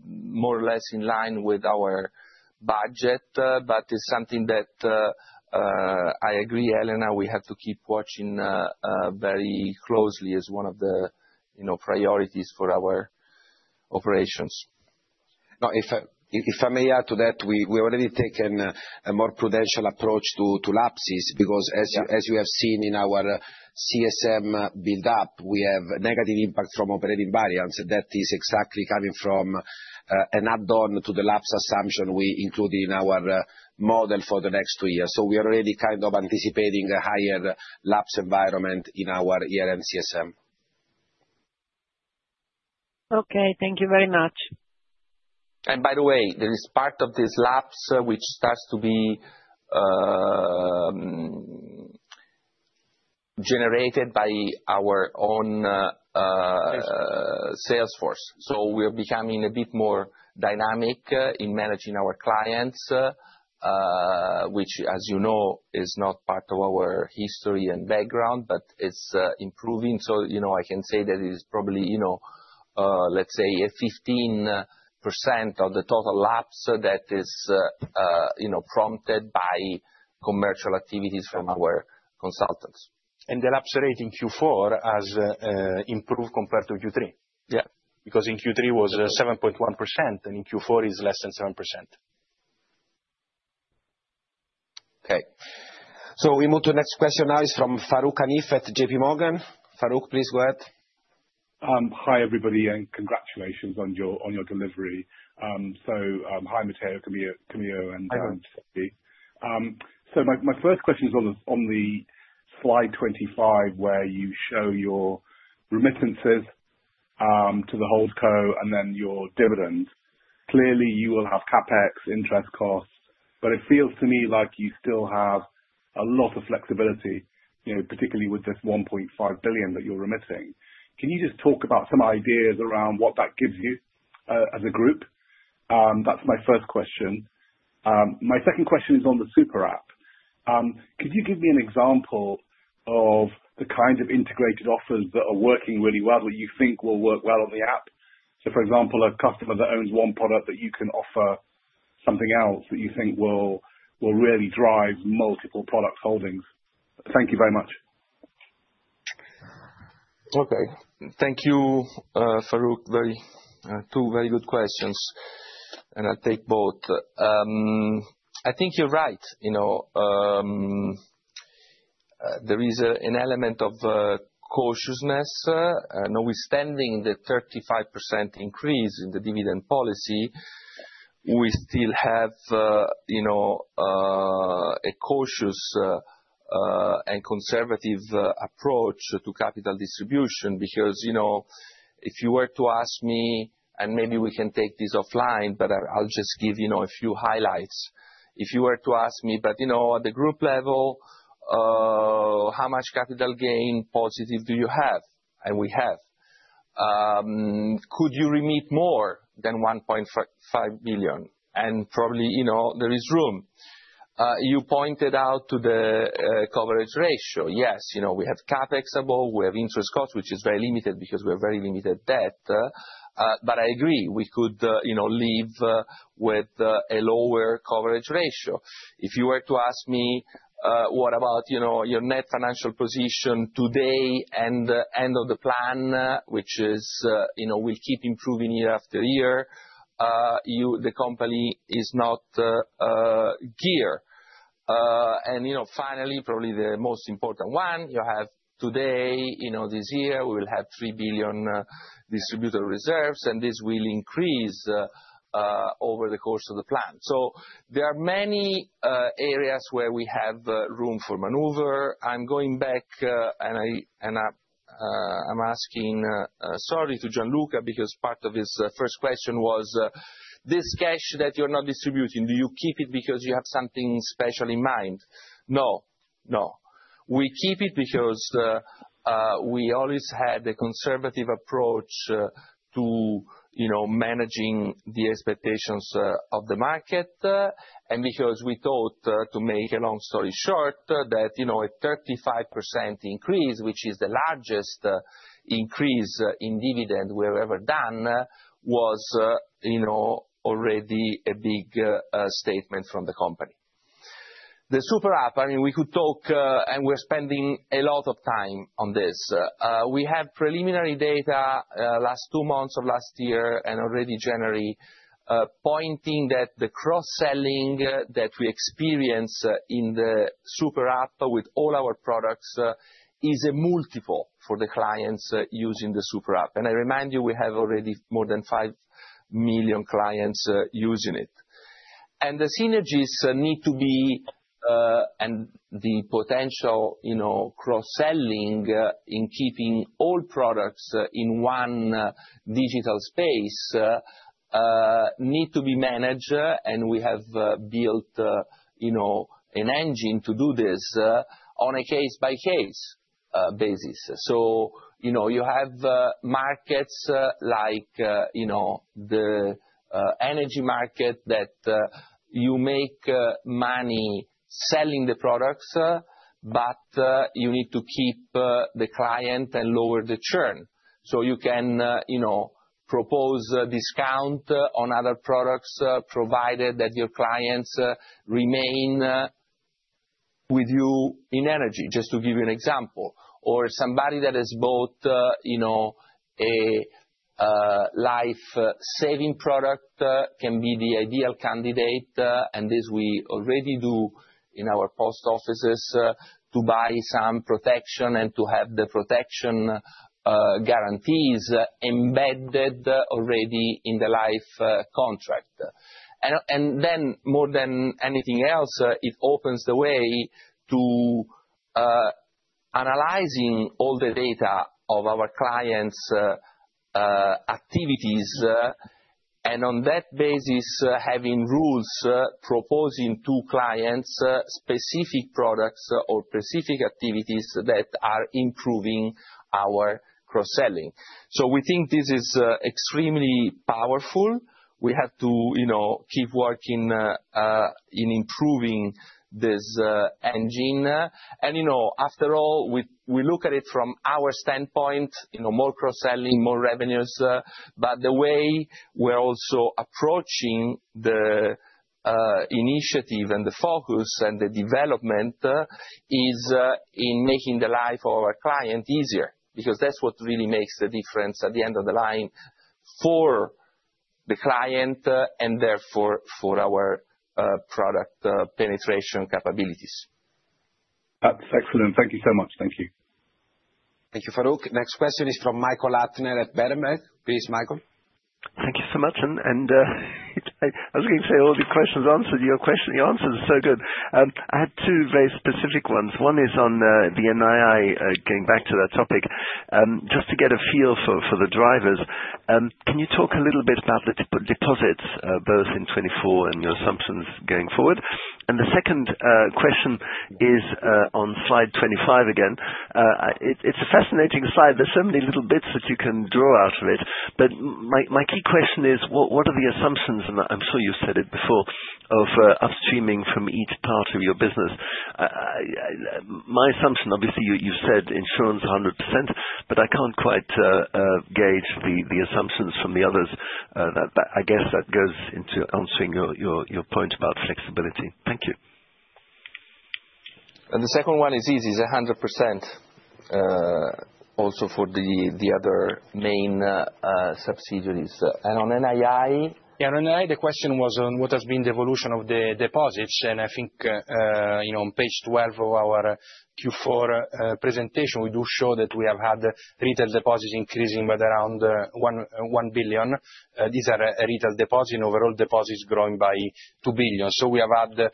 more or less in line with our budget, but it's something that I agree, Elena, we have to keep watching very closely as one of the priorities for our operations. No, if I may add to that, we already take a more prudential approach to lapses because, as you have seen in our CSM build-up, we have a negative impact from operating variance. That is exactly coming from an add-on to the lapse assumption we included in our model for the next two years, so we are already kind of anticipating a higher lapse environment in our CSM. Okay. Thank you very much, and by the way, there is part of this lapse which starts to be generated by our own sales force. So we are becoming a bit more dynamic in managing our clients, which, as you know, is not part of our history and background, but it's improving, so I can say that it is probably, let's say, 15% of the total lapse that is prompted by commercial activities from our consultants. The lapse rate in Q4 has improved compared to Q3. Yeah. Because in Q3 was 7.1%, and in Q4 is less than 7%. Okay. So we move to the next question now. It's from Farooq Hanif at JP Morgan. Farooq, please go ahead. Hi, everybody, and congratulations on your delivery. So hi, Matteo, Camillo and. Hi. So my first question is on the slide 25 where you show your remittances to the HoldCo and then your dividend. Clearly, you will have CapEx, interest costs, but it feels to me like you still have a lot of flexibility, particularly with this 1.5 billion that you're remitting. Can you just talk about some ideas around what that gives you as a group? That's my first question. My second question is on the super app. Could you give me an example of the kind of integrated offers that are working really well that you think will work well on the app? So, for example, a customer that owns one product that you can offer something else that you think will really drive multiple product holdings. Thank you very much. Okay. Thank you, Farooq, for two very good questions, and I'll take both. I think you're right. There is an element of cautiousness. Notwithstanding the 35% increase in the dividend policy, we still have a cautious and conservative approach to capital distribution because if you were to ask me, and maybe we can take this offline, but I'll just give a few highlights. If you were to ask me, "But at the group level, how much capital gain positive do you have?" and we have. Could you remit more than 1.5 billion?" And probably there is room. You pointed out the coverage ratio. Yes, we have CapEx above. We have interest costs, which is very limited because we have very limited debt. But I agree. We could live with a lower coverage ratio. If you were to ask me, "What about your net financial position today and end of the plan, which we'll keep improving year after year?" The company is not geared. And finally, probably the most important one, you have today, this year, we will have 3 billion distributable reserves, and this will increase over the course of the plan. So there are many areas where we have room for maneuver. I'm going back, and I'm asking sorry to Gianluca because part of his first question was, "This cash that you're not distributing, do you keep it because you have something special in mind?" No. No. We keep it because we always had a conservative approach to managing the expectations of the market and because we thought, to make a long story short, that a 35% increase, which is the largest increase in dividend we have ever done, was already a big statement from the company. The super app, I mean, we could talk, and we're spending a lot of time on this. We have preliminary data last two months of last year and already January pointing that the cross-selling that we experience in the super app with all our products is a multiple for the clients using the super app. And I remind you, we have already more than five million clients using it. And the synergies need to be, and the potential cross-selling in keeping all products in one digital space need to be managed, and we have built an engine to do this on a case-by-case basis. So you have markets like the energy market that you make money selling the products, but you need to keep the client and lower the churn. So you can propose discount on other products provided that your clients remain with you in energy, just to give you an example. Or somebody that has bought a life insurance product can be the ideal candidate. And this we already do in our post offices to buy some protection and to have the protection guarantees embedded already in the life insurance contract. And then, more than anything else, it opens the way to analyzing all the data of our clients' activities and, on that basis, having rules proposing to clients specific products or specific activities that are improving our cross-selling. So we think this is extremely powerful. We have to keep working in improving this engine. And after all, we look at it from our standpoint, more cross-selling, more revenues. But the way we're also approaching the initiative and the focus and the development is in making the life of our client easier because that's what really makes the difference at the end of the line for the client and therefore for our product penetration capabilities. That's excellent. Thank you so much. Thank you. Thank you, Farooq. Next question is from Michael Huttner at Berenberg. Please, Michael. Thank you so much. I was going to say, all the questions answered your question. Your answers are so good. I had two very specific ones. One is on the NII, getting back to that topic, just to get a feel for the drivers. Can you talk a little bit about the deposits, both in 2024 and your assumptions going forward? And the second question is on slide 25 again. It's a fascinating slide. There's so many little bits that you can draw out of it. But my key question is, what are the assumptions? And I'm sure you've said it before, of upstreaming from each part of your business. My assumption, obviously, you've said insurance 100%, but I can't quite gauge the assumptions from the others. I guess that goes into answering your point about flexibility. Thank you. The second one is easy. It's 100% also for the other main subsidiaries. And on NII. Yeah. On NII, the question was on what has been the evolution of the deposits. And I think on page 12 of our Q4 presentation, we do show that we have had retail deposits increasing by around 1 billion. These are retail deposits. Overall, deposits growing by 2 billion. So we have had a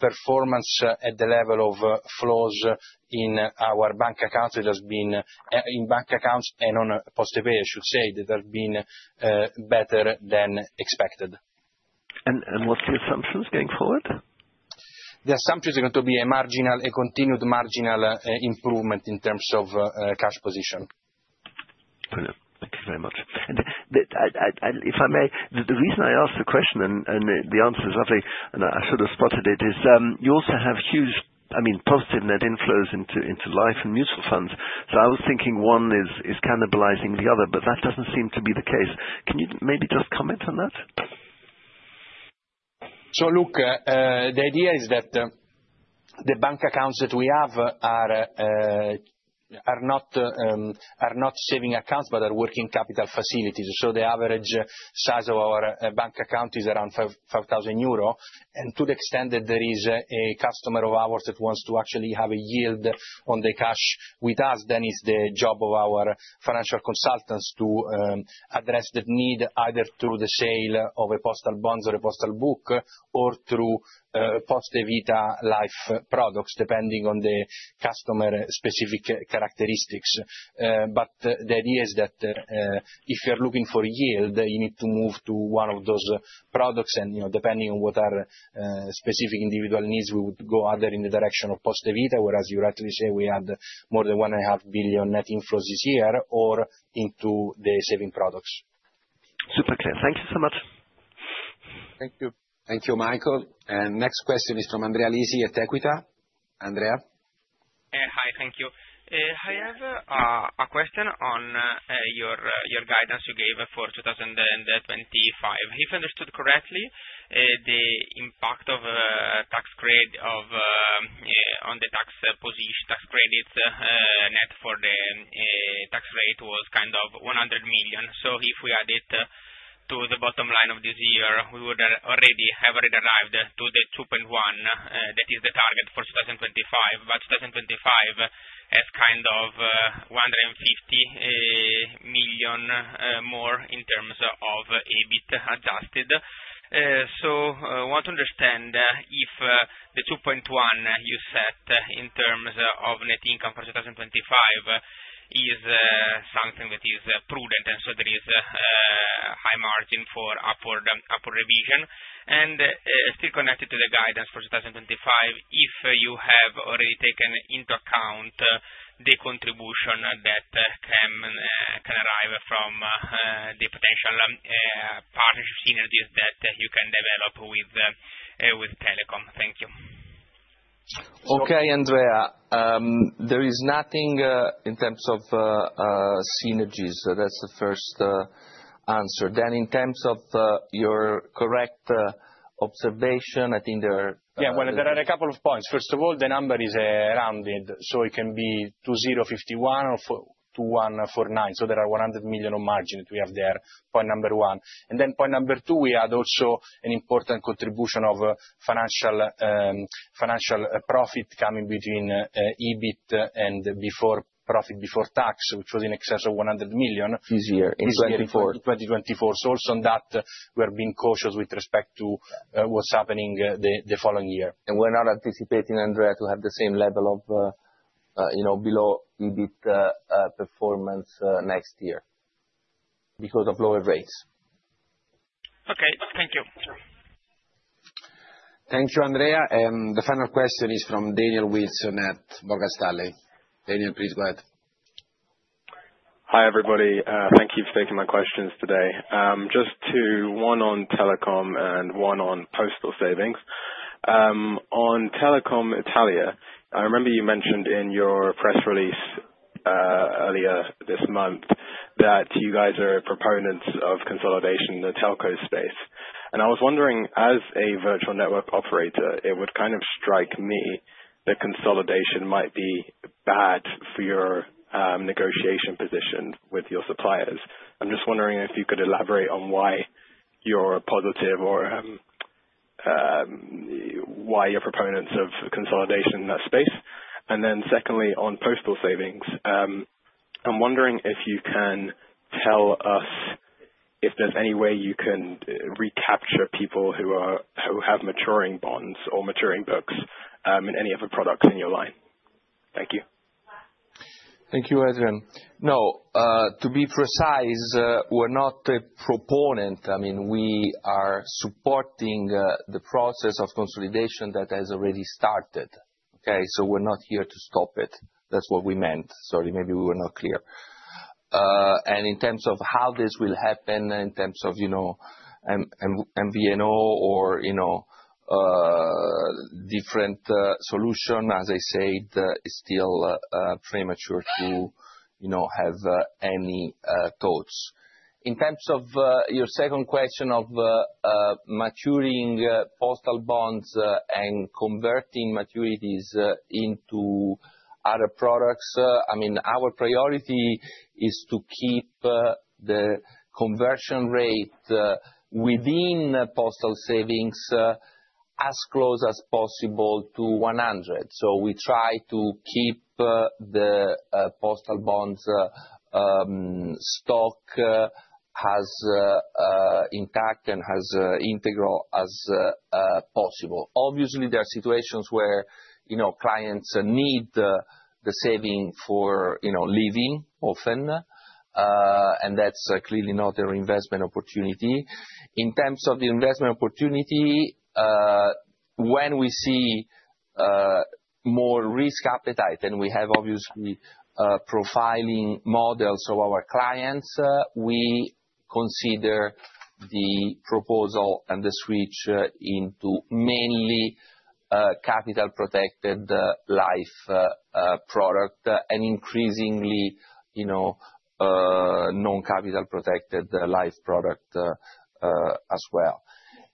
performance at the level of flows in our bank accounts that has been in bank accounts and on Postepay, I should say, that have been better than expected. And what's the assumptions going forward? The assumptions are going to be a continued marginal improvement in terms of cash position. Brilliant. Thank you very much. And if I may, the reason I asked the question, and the answer is, I think, and I should have spotted it, is you also have huge, I mean, positive net inflows into life and mutual funds. I was thinking one is cannibalizing the other, but that doesn't seem to be the case. Can you maybe just comment on that? Look, the idea is that the bank accounts that we have are not saving accounts but are working capital facilities. The average size of our bank account is around 5,000 euro. To the extent that there is a customer of ours that wants to actually have a yield on the cash with us, then it's the job of our financial consultants to address that need either through the sale of postal bonds or a postal book or through Poste Vita life products, depending on the customer's specific characteristics. The idea is that if you're looking for yield, you need to move to one of those products. Depending on what our specific individual needs, we would go either in the direction of Poste Vita, whereas you rightly say we had more than 1.5 billion net inflows this year, or into the saving products. Super clear. Thank you so much. Thank you. Thank you, Michael. Next question is from Andrea Lisi at Equita. Andrea. Hi. Thank you. I have a question on your guidance you gave for 2025. If I understood correctly, the impact of tax credit on the tax credit net for the tax rate was kind of 100 million. So if we add it to the bottom line of this year, we would already have arrived to the 2.1 that is the target for 2025. But 2025 has kind of 150 million more in terms of EBIT adjusted. I want to understand if the 2.1 you set in terms of net income for 2025 is something that is prudent and so there is a high margin for upward revision. And still connected to the guidance for 2025, if you have already taken into account the contribution that can arrive from the potential partnership synergies that you can develop with telecom. Thank you. Okay, Andrea. There is nothing in terms of synergies. That's the first answer. Then in terms of your correct observation, I think there are. Yeah. Well, there are a couple of points. First of all, the number is rounded. So it can be 2051 or 2149. So there are 100 million of margin that we have there, point number one. And then point number two, we had also an important contribution of financial profit coming between EBIT and profit before tax, which was in excess of 100 million this year in 2024. So also on that, we are being cautious with respect to what's happening the following year. And we're not anticipating, Andrea, to have the same level of below EBIT performance next year because of lower rates. Okay. Thank you. Thank you, Andrea. And the final question is from Daniel Wilson at Jefferies. Daniel, please go ahead. Hi, everybody. Thank you for taking my questions today. Just to one on Telecom and one on postal savings. On Telecom Italia, I remember you mentioned in your press release earlier this month that you guys are proponents of consolidation in the telco space. And I was wondering, as a virtual network operator, it would kind of strike me that consolidation might be bad for your negotiation position with your suppliers. I'm just wondering if you could elaborate on why you're positive or why you're proponents of consolidation in that space. And then secondly, on postal savings, I'm wondering if you can tell us if there's any way you can recapture people who have maturing bonds or maturing books in any of the products in your line. Thank you. Thank you, Adrian. No, to be precise, we're not a proponent. I mean, we are supporting the process of consolidation that has already started. Okay? So we're not here to stop it. That's what we meant. Sorry, maybe we were not clear. And in terms of how this will happen, in terms of MVNO or different solution, as I said, it's still premature to have any thoughts. In terms of your second question of maturing postal bonds and converting maturities into other products, I mean, our priority is to keep the conversion rate within postal savings as close as possible to 100. So we try to keep the postal bonds stock as intact and as integral as possible. Obviously, there are situations where clients need the saving for living often, and that's clearly not their investment opportunity. In terms of the investment opportunity, when we see more risk appetite and we have obviously profiling models of our clients, we consider the proposal and the switch into mainly capital-protected life product and increasingly non-capital-protected life product as well.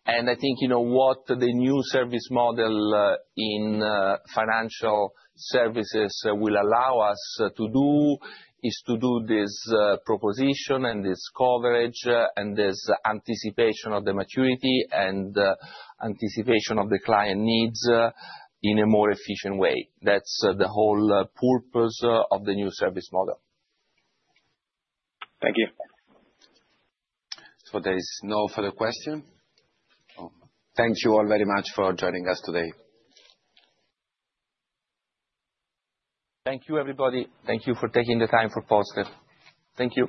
And I think what the new service model in financial services will allow us to do is to do this proposition and this coverage and this anticipation of the maturity and anticipation of the client needs in a more efficient way. That's the whole purpose of the new service model. Thank you. So there is no further question. Thank you all very much for joining us today. Thank you, everybody. Thank you for taking the time for Poste. Thank you.